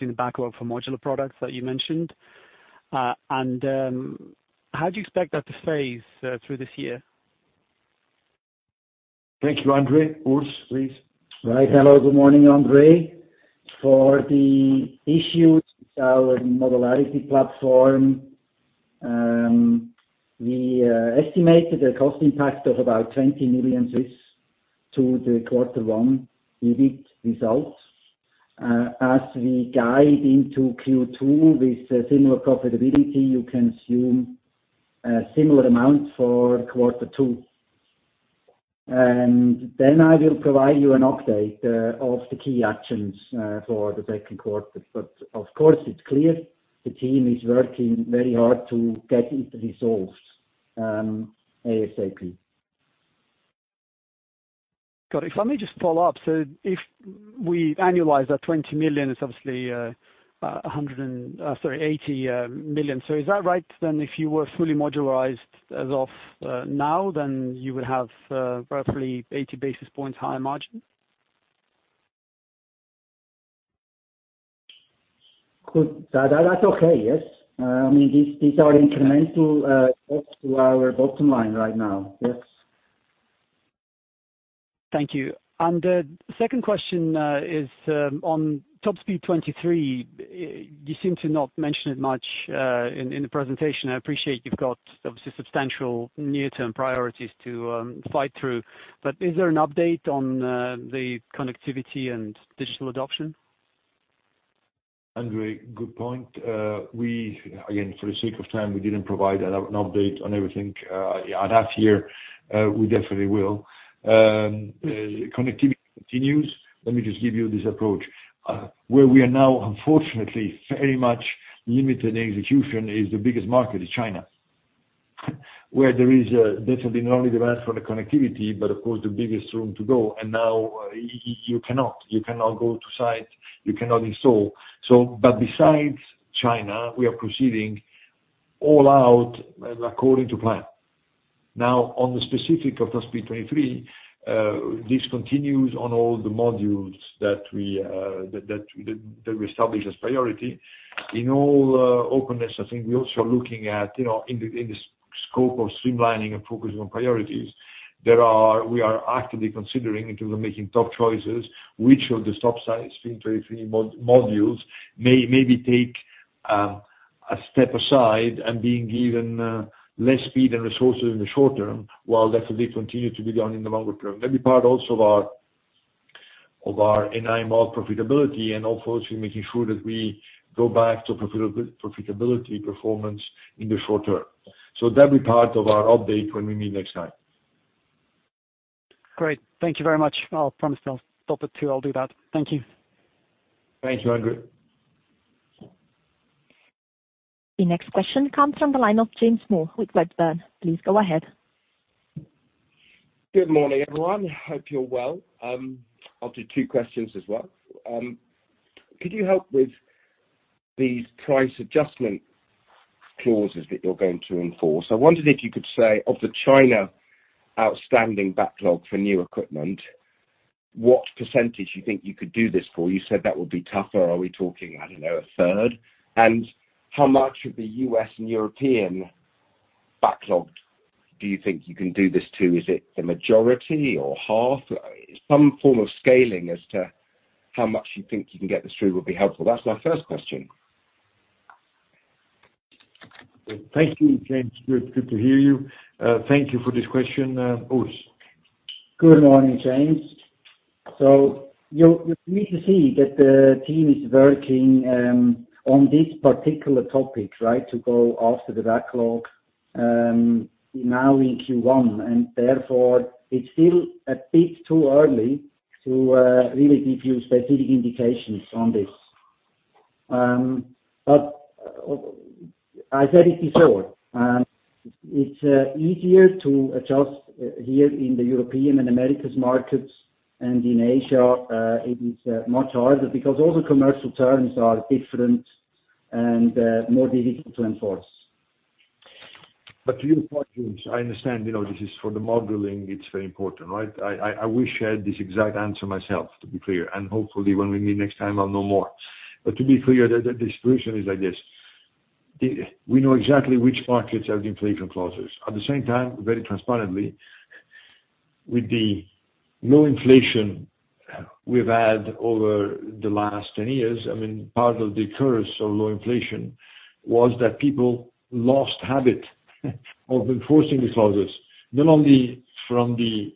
in the backlog for modular products that you mentioned? How do you expect that to phase through this year? Thank you, Andre. Urs, please. Right. Hello, good morning, Andre. For the issue, our modular platform, estimated a cost impact of about 20 million to the quarter 1 EBIT results. As we guide into Q2 with similar profitability, you can assume a similar amount for quarter 2. I will provide you an update of the key actions for the second quarter. Of course, it's clear the team is working very hard to get it resolved, ASAP. Got it. Let me just follow up. If we annualize that 20 million, it's obviously a hundred and... Sorry, 80 million. Is that right, then if you were fully modularized as of now, then you would have roughly 80 basis points higher margin? Good. That's okay, yes. I mean, these are incremental cost to our bottom line right now. Yes. Thank you. The second question is on Top Speed 23. You seem to not mention it much in the presentation. I appreciate you've got obviously substantial near-term priorities to fight through. Is there an update on the connectivity and digital adoption? Andre, good point. Again, for the sake of time, we didn't provide an update on everything at half year. We definitely will. Connectivity continues. Let me just give you this approach. Where we are now, unfortunately, very much limited in execution is the biggest market is China, where there is definitely not only demand for the connectivity, but of course the biggest room to grow. Now you cannot go to site, you cannot install. But besides China, we are proceeding all out according to plan. Now on the specific of Top Speed 23, this continues on all the modules that we establish as priority. In all openness, I think we also are looking at, you know, in the scope of streamlining and focusing on priorities, we are actively considering in terms of making tough choices which of the Top Speed 23 modules may maybe take a step aside and being given less speed and resources in the short term, while definitely continue to be done in the longer term. That'll be part also of our NI margin model profitability and also making sure that we go back to profitability performance in the short term. That'll be part of our update when we meet next time. Great. Thank you very much. I promise I'll stop at two. I'll do that. Thank you. Thank you, Andre. The next question comes from the line of James Moore with Redburn. Please go ahead. Good morning, everyone. Hope you're well. I'll do two questions as well. Could you help with the price adjustment clauses that you're going to enforce? I wondered if you could say of the China outstanding backlog for new equipment, what percentage you think you could do this for? You said that would be tougher. Are we talking, I don't know, a third? How much of the U.S. and European backlog do you think you can do this to? Is it the majority or half? Some form of scaling as to how much you think you can get this through would be helpful. That's my first question. Thank you, James. Good to hear you. Thank you for this question. Urs. Good morning, James. You can see that the team is working on this particular topic, right, to go after the backlog now in Q1, and therefore it's still a bit too early to really give you specific indications on this. I said it before, it's easier to adjust here in the European and Americas markets, and in Asia it is much harder because all the commercial terms are different and more difficult to enforce. To your point, James, I understand, you know, this is for the modeling, it's very important, right? I wish I had this exact answer myself to be clear, and hopefully when we meet next time I'll know more. To be clear, the distribution is like this. We know exactly which markets have the inflation clauses. At the same time, very transparently, with the low inflation we've had over the last 10 years, I mean, part of the curse of low inflation was that people lost habit of enforcing the clauses, not only from the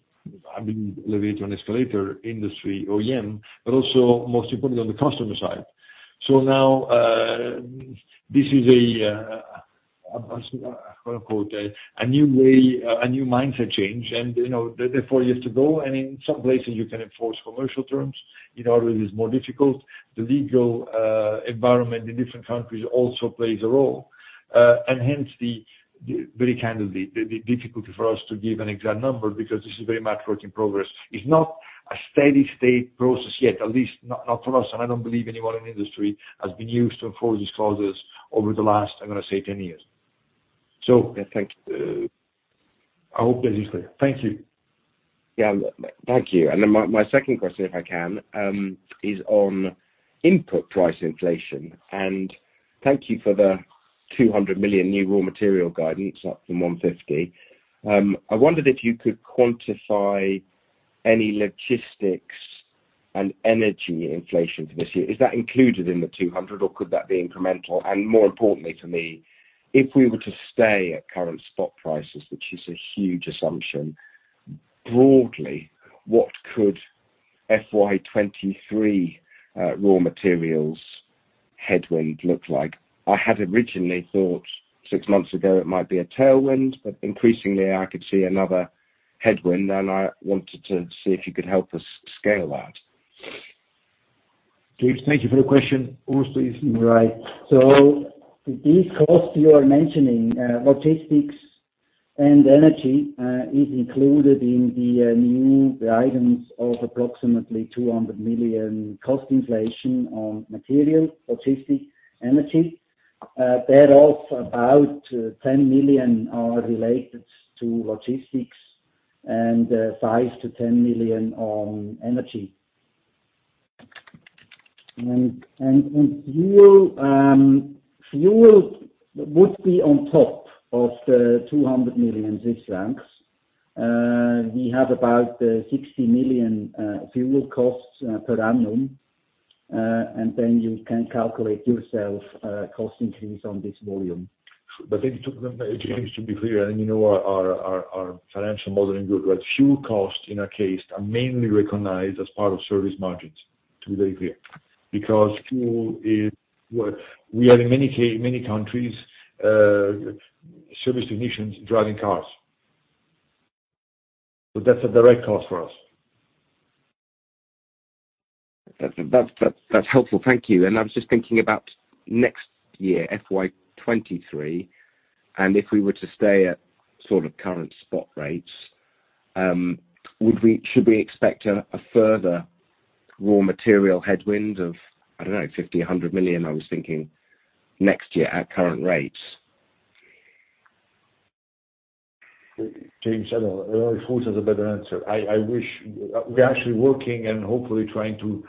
elevator and escalator industry OEM, but also most importantly on the customer side. Now, this is a new way, a new mindset change. You know, there are four years to go, and in some places you can enforce commercial terms. In others it's more difficult. The legal environment in different countries also plays a role. Hence the very kind of difficulty for us to give an exact number because this is very much work in progress. It's not a steady state process yet, at least not for us, and I don't believe anyone in industry has been used to enforce these clauses over the last, I'm gonna say 10 years. I think I hope that is clear. Thank you. Yeah. Thank you. Then my second question, if I can, is on input price inflation. Thank you for the 200 million new raw material guidance up from 150 million. I wondered if you could quantify any logistics and energy inflation for this year. Is that included in the 200 million or could that be incremental? More importantly for me, if we were to stay at current stock prices, which is a huge assumption, broadly, what could FY 2023 raw materials headwind look like? I had originally thought six months ago it might be a tailwind, but increasingly I could see another headwind, and I wanted to see if you could help us scale that. James, thank you for the question. Urs, please. Right. These costs you are mentioning, logistics and energy, is included in the new items of approximately 200 million cost inflation on material, logistics, energy. There are about 10 million related to logistics and -10 million on energy. Fuel would be on top of the 200 million Swiss francs. We have about 60 million fuel costs per annum. Then you can calculate yourself cost increase on this volume. Let me talk, James, to be clear, and you know our financial modeling group. Fuel costs in our case are mainly recognized as part of service margins, to be very clear. Because fuel is what we have in many countries, service technicians driving cars. That's a direct cost for us. That's helpful. Thank you. I was just thinking about next year, FY 2023. If we were to stay at sort of current spot rates, should we expect a further raw material headwind of, I don't know, 50 100 million, I was thinking next year at current rates? James, I don't know. Urs has a better answer. We're actually working and hopefully trying to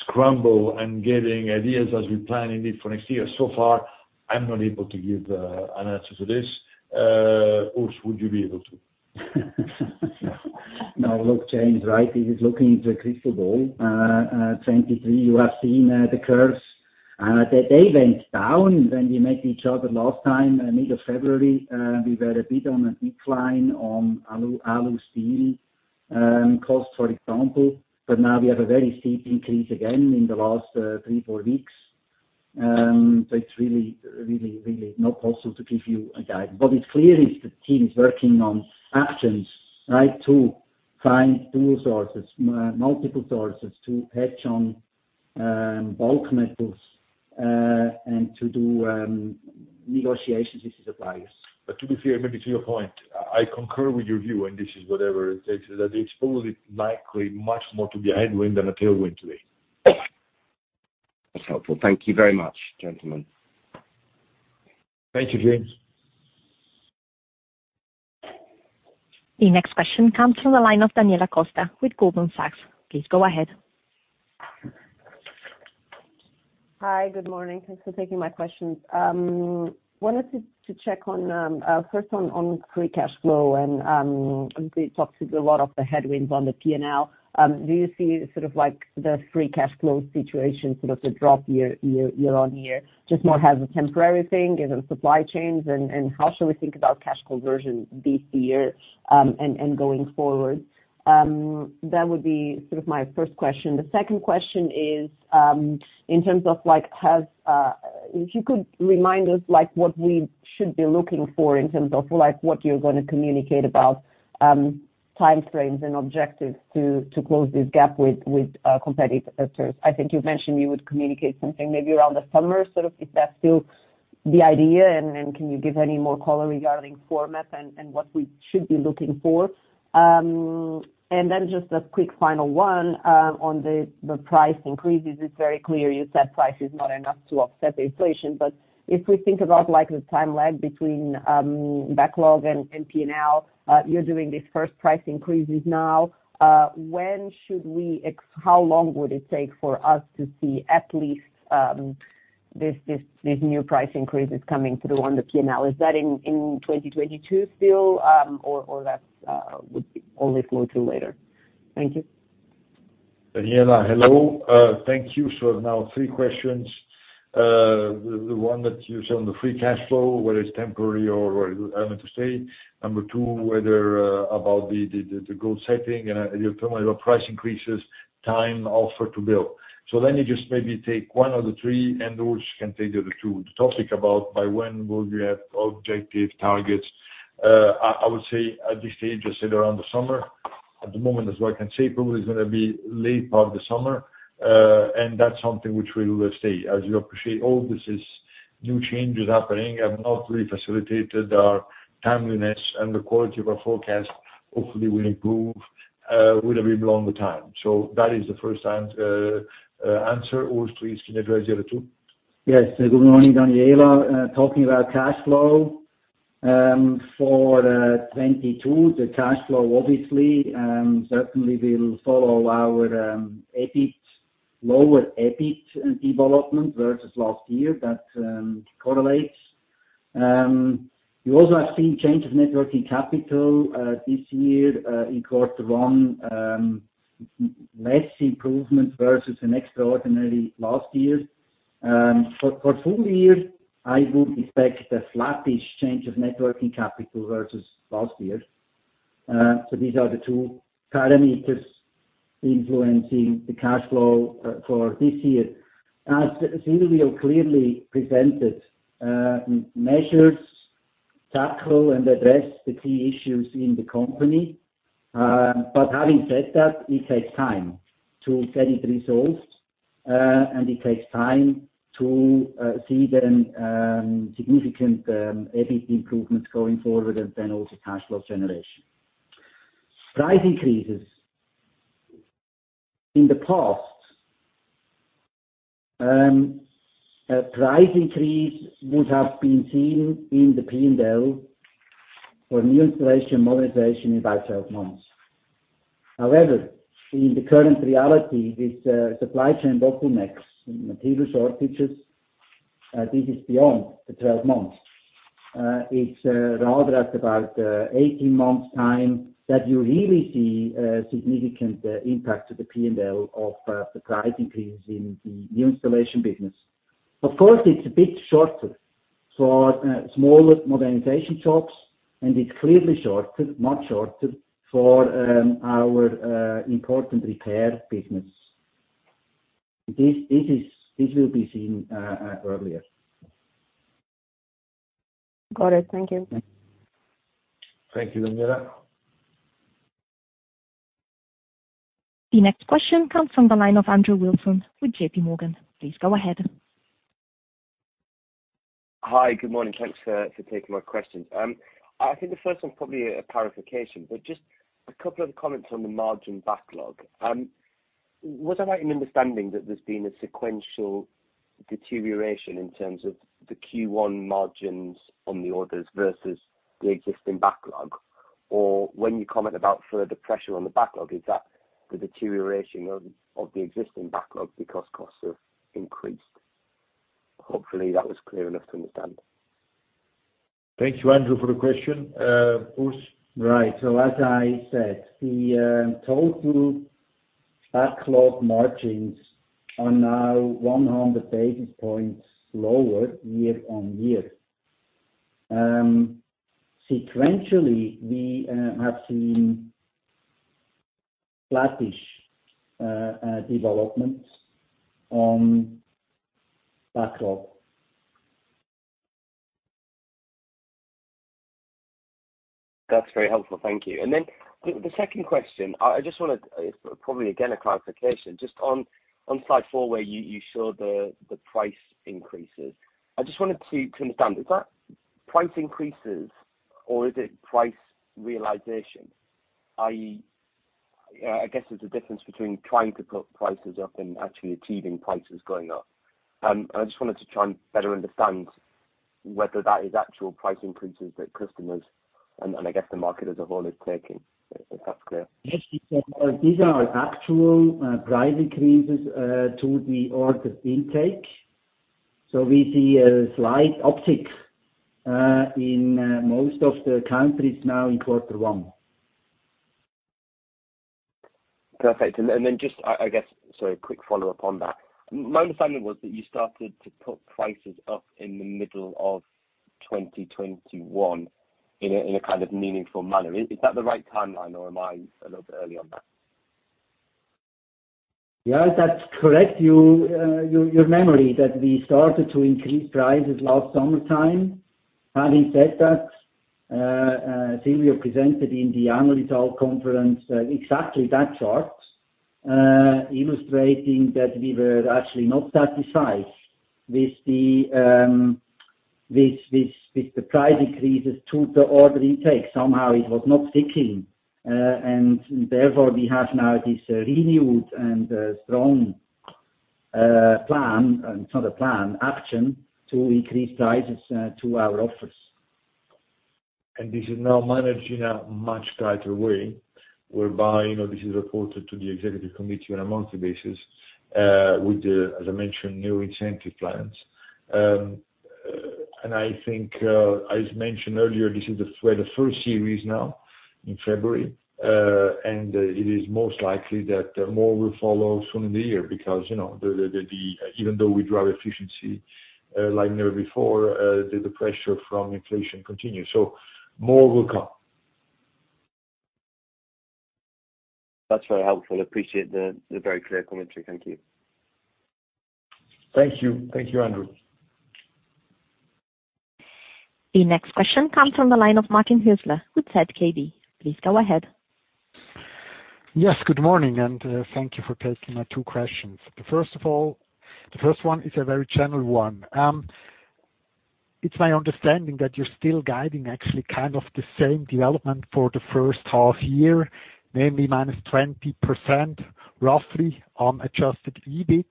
scramble and getting ideas as we plan indeed for next year. So far, I'm not able to give an answer to this. Urs, would you be able to? No. Look, James, right, this is looking into a crystal ball. 2023, you have seen the curves. They went down when we met each other last time in middle of February. We were a bit on a decline on alu steel cost, for example. Now we have a very steep increase again in the last three to four, weeks. It's really not possible to give you a guide. It's clear the team is working on actions, right, to find new sources, multiple sources to hedge on, bulk metals, and to do negotiations with suppliers. To be fair, maybe to your point, I concur with your view, and this is whatever it takes, that the exposure is likely much more to be a headwind than a tailwind today. That's helpful. Thank you very much, gentlemen. Thank you, James. The next question comes from the line of Daniela Costa with Goldman Sachs. Please go ahead. Hi. Good morning. Thanks for taking my questions. Wanted to check on first on free cash flow and obviously you talked a lot about the headwinds on the P&L. Do you see sort of like the free cash flow situation sort of to drop year-on-year just more as a temporary thing given supply chains? How should we think about cash conversion this year and going forward? That would be sort of my first question. The second question is in terms of like, If you could remind us, like, what we should be looking for in terms of, like, what you're gonna communicate about time frames and objectives to close this gap with competitors. I think you've mentioned you would communicate something maybe around the summer, sort of is that still the idea? Can you give any more color regarding format and what we should be looking for? Then just a quick final one on the price increases. It's very clear you said price is not enough to offset inflation. If we think about, like, the time lag between backlog and P&L, you're doing these first price increases now. How long would it take for us to see at least these new price increases coming through on the P&L? Is that in 2022 still, or that would only flow through later? Thank you. Daniela, hello. Thank you for now three questions. The one that you said on the free cash flow, whether it's temporary or I meant to say number two, whether about the goal setting and you're talking about price increases, time, order to bill. Let me just maybe take one of the three and Urs can take the other two. The topic about by when will you have objective targets, I would say at this stage just said around the summer. At the moment, as what I can say, probably is gonna be late part of the summer. That's something which we will state. As you appreciate, all this is new changes happening, have not really facilitated our timeliness and the quality of our forecast. Hopefully will improve with a bit longer time. That is the first answer. Urs, please 02. Yes. Good morning, Daniela. Talking about cash flow, for 2022, the cash flow, obviously, certainly will follow our EBIT, lower EBIT development versus last year. That correlates. You also have seen change of net working capital, this year, in quarter one, less improvement versus an extraordinary last year. For full year, I would expect a flattish change of net working capital versus last year. So these are the two parameters influencing the cash flow, for this year. As Silvio clearly presented, measures tackle and address the key issues in the company. Having said that, it takes time to get it resolved, and it takes time to see them significant EBIT improvements going forward, and then also cash flow generation. Price increases. In the past, a price increase would have been seen in the P&L for new installation, modernization in about 12 months. However, in the current reality with supply chain bottlenecks, material shortages, this is beyond the 12 months. It's rather at about 18 months' time that you really see a significant impact to the P&L of the price increase in the new installation business. Of course, it's a bit shorter for smaller modernization jobs, and it's clearly shorter, much shorter for our important repair business. This will be seen earlier. Got it. Thank you. Thank you, Daniela. The next question comes from the line of Andrew Wilson with J.P. Morgan. Please go ahead. Hi. Good morning. Thanks for taking my questions. I think the first one is probably a clarification, but just a couple of comments on the margin backlog. Was I right in understanding that there's been a sequential deterioration in terms of the Q1 margins on the orders versus the existing backlog? Or when you comment about further pressure on the backlog, is that the deterioration of the existing backlog because costs have increased? Hopefully that was clear enough to understand. Thank you, Andrew, for the question. Urs? Right. As I said, the total backlog margins are now 100 basis points lower year-on-year. Sequentially, we have seen flattish developments on backlog. That's very helpful. Thank you. The second question. Probably, again, a clarification. Just on slide 4, where you showed the price increases. I just wanted to understand, is that price increases or is it price realization? I guess there's a difference between trying to put prices up and actually achieving prices going up. I just wanted to try and better understand whether that is actual price increases that customers and I guess the market as a whole is taking. If that's clear. Yes. These are our actual price increases to the order intake. We see a slight uptick in most of the countries now in quarter one. Perfect. Just I guess, sorry, quick follow-up on that. My understanding was that you started to put prices up in the middle of 2021 in a kind of meaningful manner. Is that the right timeline or am I a little bit early on that? Yeah. That's correct. Your memory that we started to increase prices last summertime. Having said that, Silvio presented in the Annual Results Conference exactly that chart illustrating that we were actually not satisfied with the price increases to the order intake. Somehow it was not sticking. Therefore we have now this renewed and strong plan. It's not a plan, action to increase prices to our offers. This is now managed in a much tighter way, whereby, you know, this is reported to the executive committee on a monthly basis, with the, as I mentioned, new incentive plans. I think, as mentioned earlier, this is the first series now in February. It is most likely that more will follow soon in the year because, you know, even though we drive efficiency, like never before, the pressure from inflation continues. More will come. That's very helpful. I appreciate the very clear commentary. Thank you. Thank you. Thank you, Andrew. The next question comes from the line of Martin Hüsler with Zürcher Kantonalbank, please go ahead. Yes, good morning, and thank you for taking my two questions. The first one is a very general one. It's my understanding that you're still guiding actually kind of the same development for the first half year, namely minus 20% roughly on adjusted EBIT,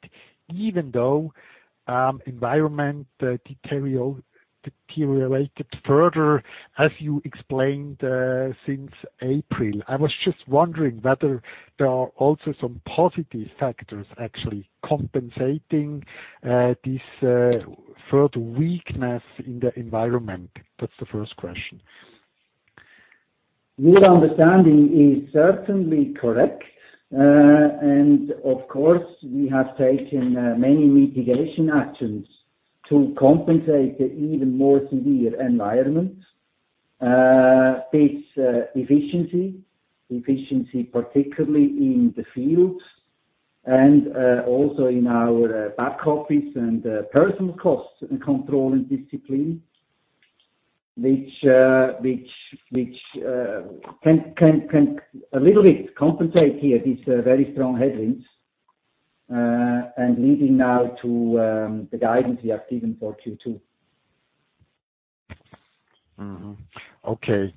even though environment deteriorated further, as you explained, since April. I was just wondering whether there are also some positive factors actually compensating this further weakness in the environment. That's the first question. Your understanding is certainly correct. Of course, we have taken many mitigation actions to compensate for the even more severe environment. It's efficiency particularly in the fields and also in our back office and personnel costs and control and discipline, which can a little bit compensate here, these very strong headwinds, and leading now to the guidance we have given for Q2. Okay.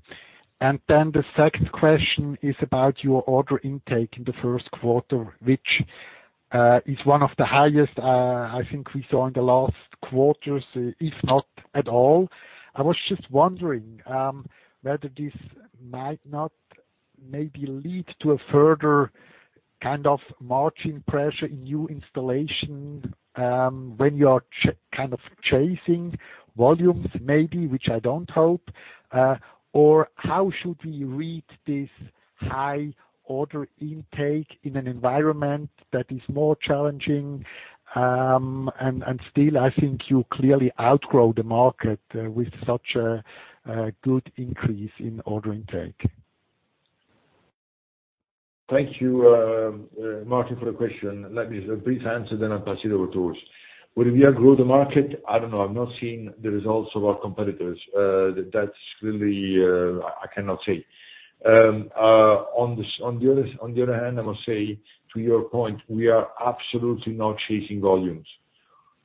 Then the second question is about your order intake in the first quarter, which is one of the highest, I think we saw in the last quarters, if not at all. I was just wondering whether this might not maybe lead to a further kind of margin pressure in new installation, when you are kind of chasing volumes, maybe, which I don't hope, or how should we read this high order intake in an environment that is more challenging, and still, I think you clearly outgrow the market, with such a good increase in order intake. Thank you, Martin, for the question. Let me give a brief answer, then I'll pass it over to Urs. Whether we outgrow the market, I don't know. I've not seen the results of our competitors. That's clearly, I cannot say. On the other hand, I must say, to your point, we are absolutely not chasing volumes.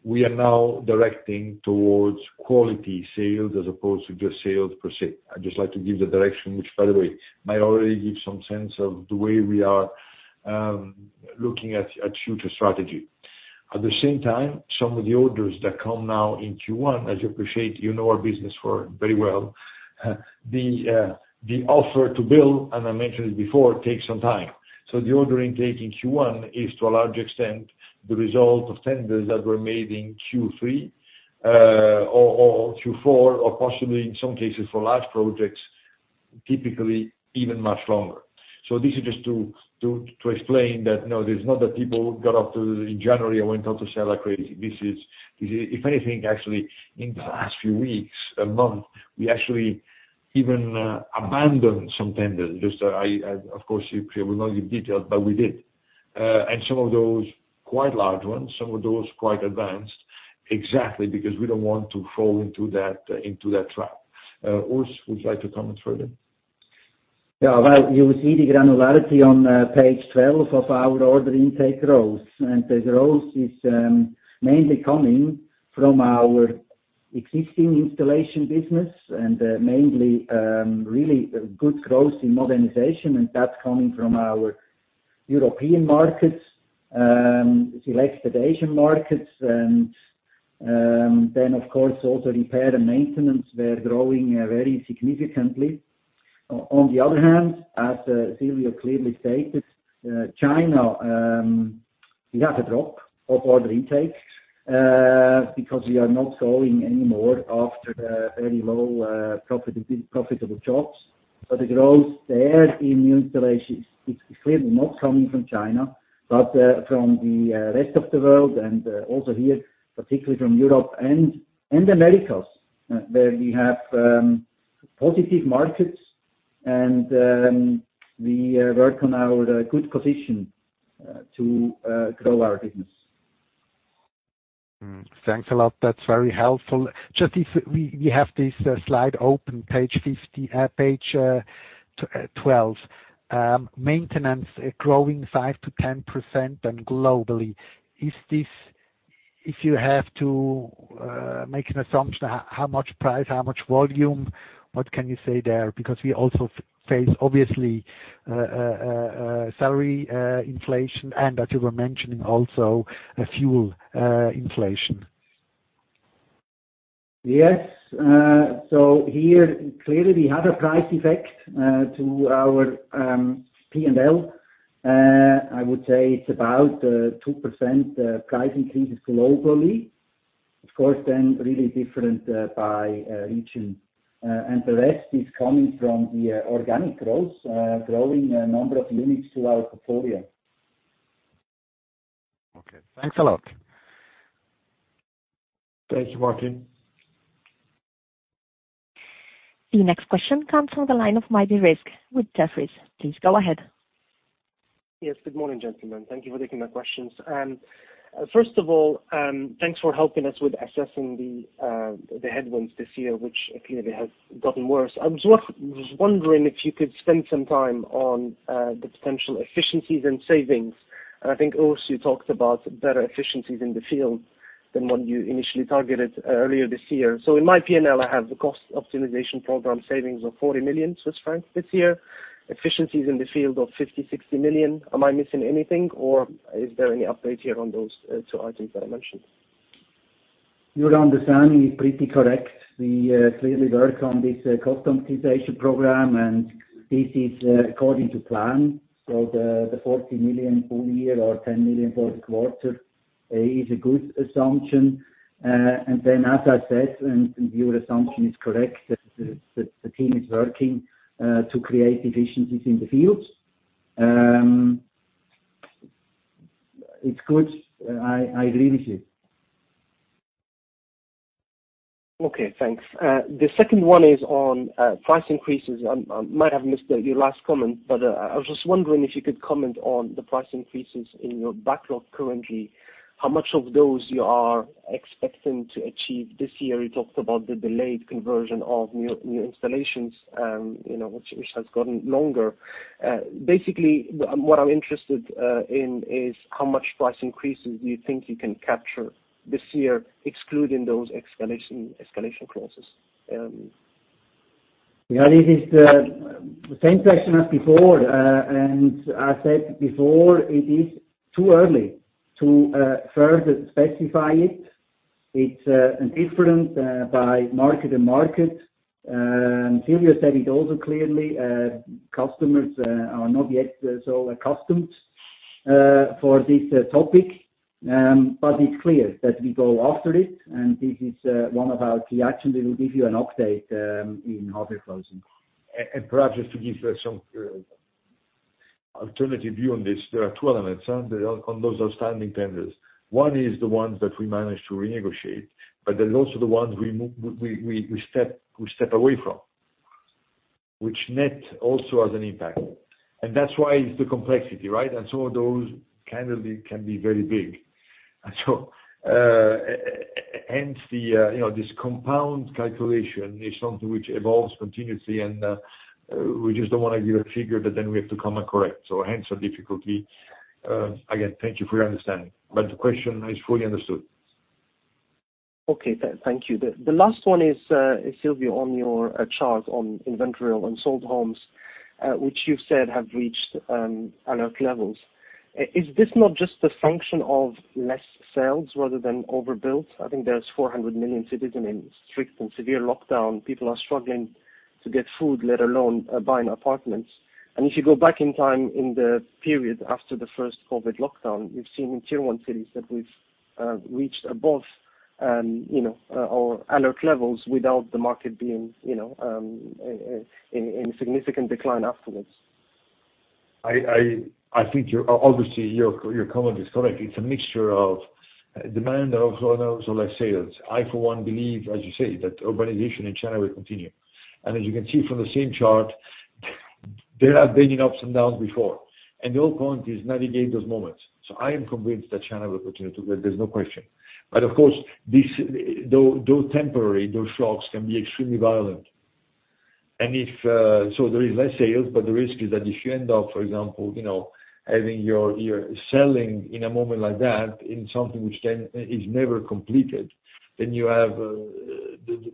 We are now directing towards quality sales as opposed to just sales per se. I'd just like to give the direction, which, by the way, might already give some sense of the way we are looking at future strategy. At the same time, some of the orders that come now in Q1, as you appreciate, you know our business very well, the order to bill, and I mentioned it before, takes some time. The order intake in Q1 is, to a large extent, the result of tenders that were made in Q3 or Q4, or possibly in some cases for large projects, typically even much longer. This is just to explain that, no, it's not that people got up in January and went out to sell like crazy. If anything, actually, in the last few weeks, a month, we actually even abandoned some tenders. Of course, we will not give details, but we did. Some of those quite large ones, some of those quite advanced, exactly because we don't want to fall into that trap. Urs, would you like to comment further? Yeah. Well, you see the granularity on page 12 of our order intake growth. The growth is mainly coming from our existing installation business and mainly really good growth in modernization, and that's coming from our European markets, selected Asian markets and then of course also repair and maintenance were growing very significantly. On the other hand, as Silvio clearly stated, China, we have a drop of order intake because we are not going anymore after the very low profitable jobs. The growth there in new installations is clearly not coming from China, but from the rest of the world and also here, particularly from Europe and Americas, where we have positive markets and we work on our good position to grow our business. Thanks a lot. That's very helpful. Just if we have this slide open, page 12. Maintenance growing 5%-10% and globally. Is this? If you have to make an assumption, how much price, how much volume, what can you say there? Because we also face obviously salary inflation and as you were mentioning also a fuel inflation. Yes. Here, clearly we have a price effect to our P&L. I would say it's about 2% price increases globally. Of course, then really different by region. The rest is coming from the organic growth, growing a number of units to our portfolio. Okay. Thanks a lot. Thank you, Martin. The next question comes from the line of Rizk Maidi with Jefferies. Please go ahead. Yes. Good morning, gentlemen. Thank you for taking my questions. First of all, thanks for helping us with assessing the headwinds this year, which clearly has gotten worse. I was wondering if you could spend some time on the potential efficiencies and savings. I think, Urs, you talked about better efficiencies in the field than what you initially targeted earlier this year. In my P&L, I have the cost optimization program savings of 40 million Swiss francs this year. Efficiencies in the field of 50 -60 million. Am I missing anything, or is there any update here on those two items that I mentioned? Your understanding is pretty correct. We clearly work on this cost optimization program, and this is according to plan. The 40 million full year or 10 million fourth quarter is a good assumption. Then as I said, your assumption is correct, that the team is working to create efficiencies in the fields. It's good. I agree with you. Okay, thanks. The second one is on price increases. I might have missed your last comment, but I was just wondering if you could comment on the price increases in your backlog currently. How much of those you are expecting to achieve this year? You talked about the delayed conversion of new installations, you know, which has gotten longer. Basically, what I'm interested in is how much price increases do you think you can capture this year, excluding those escalation clauses? Yeah, this is the same question as before. I said before, it is too early to further specify it. It's a different by market to market. Silvio said it also clearly, customers are not yet so accustomed to this topic. It's clear that we go after it, and this is one of our key actions. We will give you an update in half-year closing. Perhaps just to give you some alternative view on this. There are two elements on those outstanding tenders. One is the ones that we managed to renegotiate, but there's also the ones we step away from, which net also has an impact. That's why it's the complexity, right? Those can be very big. Hence the, you know, this compound calculation is something which evolves continuously, and we just don't wanna give a figure that then we have to come and correct. Hence the difficulty. Again, thank you for your understanding. The question is fully understood. Okay. Thank you. The last one is, Silvio, on your chart on inventory on sold homes, which you've said have reached alert levels. Is this not just a function of less sales rather than overbuilt? I think there's 400 million citizens in strict and severe lockdown. People are struggling to get food, let alone buying apartments. If you go back in time in the period after the first COVID lockdown, you've seen in Tier One cities that we've reached above, you know, or alert levels without the market being, you know, in significant decline afterwards. I think your comment is correct. It's a mixture of demand that also involves less sales. I, for one, believe, as you say, that urbanization in China will continue. As you can see from the same chart, there have been ups and downs before, and the whole point is to navigate those moments. I am convinced that China will continue. There's no question. Of course, these, though temporary, those shocks can be extremely violent. If there is less sales, but the risk is that if you end up, for example, you know, having your selling in a moment like that in something which is never completed, then you have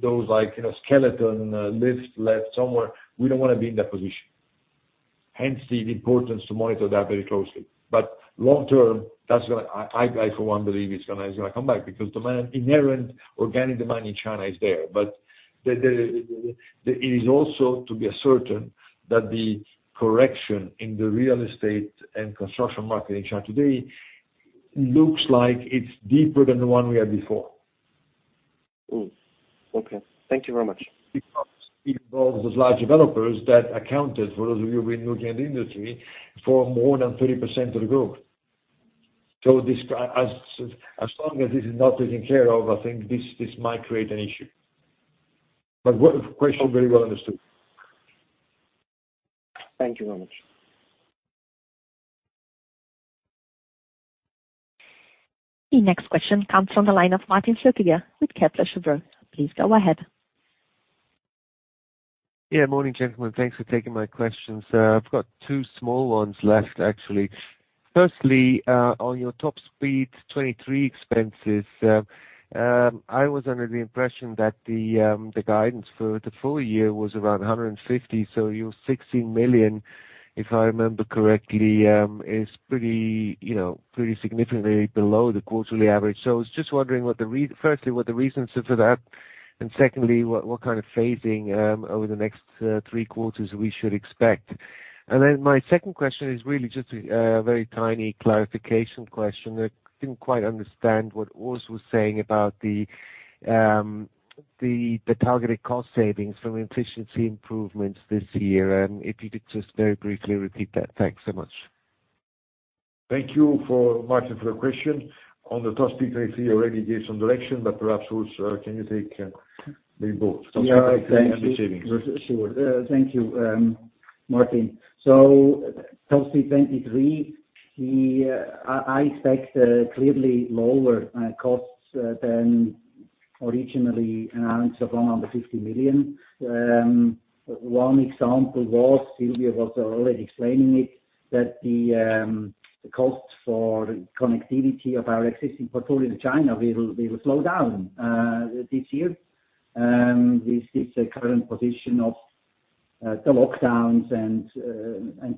those, like, you know, skeleton lifts left somewhere. We don't wanna be in that position. Hence the importance to monitor that very closely. Long term, I for one believe it's gonna come back because demand, inherent organic demand in China is there. It is also to be certain that the correction in the real estate and construction market in China today looks like it's deeper than the one we had before. Okay. Thank you very much. Because it involves those large developers that accounted, for those of you who've been looking at the industry, for more than 30% of the growth. This, as long as this is not taken care of, I think this might create an issue. Question very well understood. Thank you very much. The next question comes from the line of Martin Flückiger with Kepler Cheuvreux. Please go ahead. Thank you, Martin, for your question. On the Top Speed, I think I already gave some direction, but perhaps, Urs, can you take the both? Yeah. Cost savings and the savings. Sure. Thank you, Martin. Top Speed 23, I expect clearly lower costs than originally announced of 150 million. One example was, Silvio was already explaining it, that the cost for connectivity of our existing portfolio in China will slow down this year. This is the current position of the lockdowns and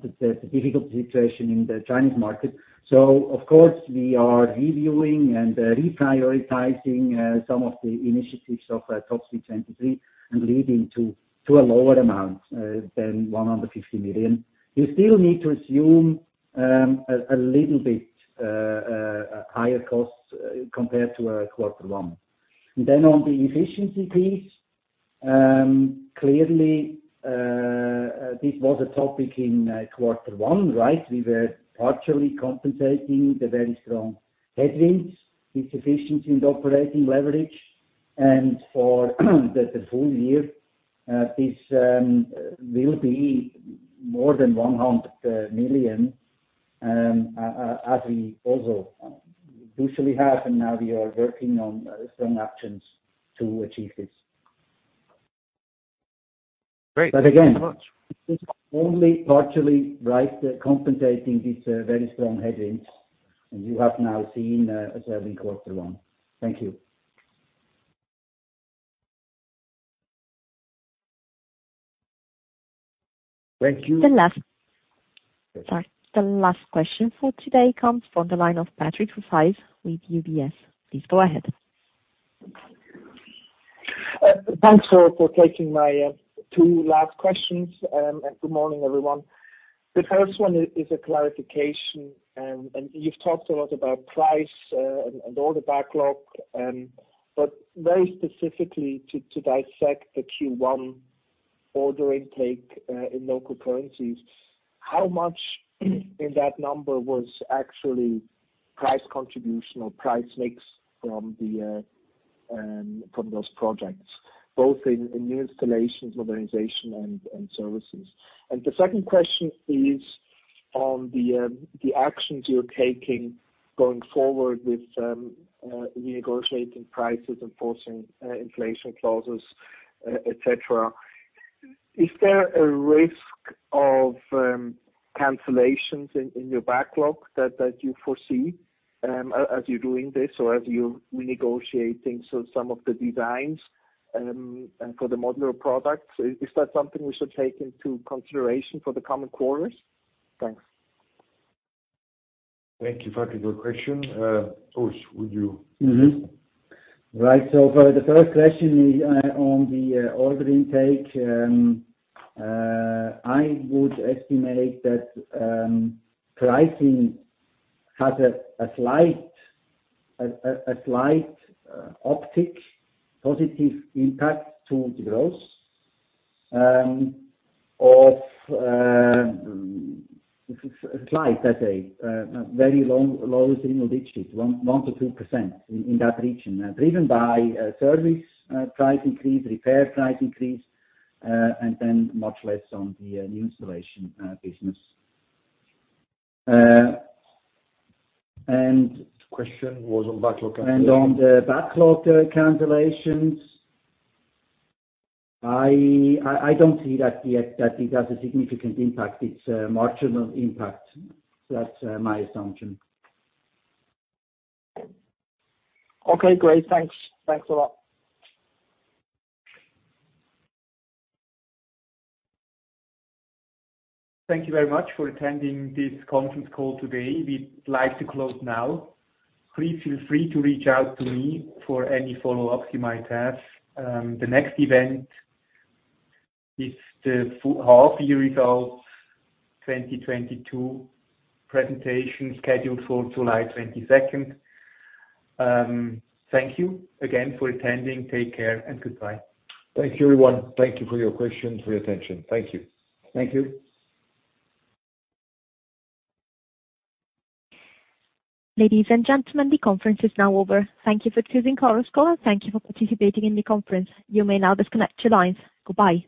the difficult situation in the Chinese market. Of course, we are reviewing and reprioritizing some of the initiatives of Top Speed 23 and leading to a lower amount than 150 million. You still need to assume a little bit higher costs compared to quarter one. On the efficiency piece, clearly this was a topic in quarter one, right? We were partially compensating the very strong headwinds with efficiency and operating leverage. For the full year, this will be more than 100 million, as we also usually have. Now we are working on some actions to achieve this. Great. Thanks so much. Again, this is only partially, right, compensating these very strong headwinds, and you have now seen, as early as quarter one. Thank you. Thank you. The last question for today comes from the line of Patrick Rafaisz with UBS. Please go ahead. Thanks for taking my two last questions. Good morning, everyone. The first one is a clarification. You've talked a lot about price and order backlog, but very specifically to dissect the Q1 order intake in local currencies, how much in that number was actually price contribution or price mix from those projects, both in new installations, modernization and services? The second question is on the actions you're taking going forward with renegotiating prices, enforcing inflation clauses, etc. Is there a risk of cancellations in your backlog that you foresee as you're doing this or as you're renegotiating so some of the designs and for the modular products? Is that something we should take into consideration for the coming quarters? Thanks. Thank you, Patrick, for your question. Urs, would you? Mm-hmm. Right. For the first question on the order intake, I would estimate that pricing has a slight optic positive impact to the growth. Slight, let's say. Very low single digits, 1%-2% in that region. Driven by service price increase, repair price increase, and then much less on the new installation business. And Question was on backlog cancellations. On the backlog cancellations, I don't see that yet, that it has a significant impact. It's a marginal impact. That's my assumption. Okay, great. Thanks. Thanks a lot. Thank you very much for attending this conference call today. We'd like to close now. Please feel free to reach out to me for any follow-ups you might have. The next event is the first half-year results 2022 presentation scheduled for July 22. Thank you again for attending. Take care and goodbye. Thank you, everyone. Thank you for your questions, for your attention. Thank you. Thank you. Ladies and gentlemen, the conference is now over. Thank you for choosing Chorus Call, and thank you for participating in the conference. You may now disconnect your lines. Goodbye.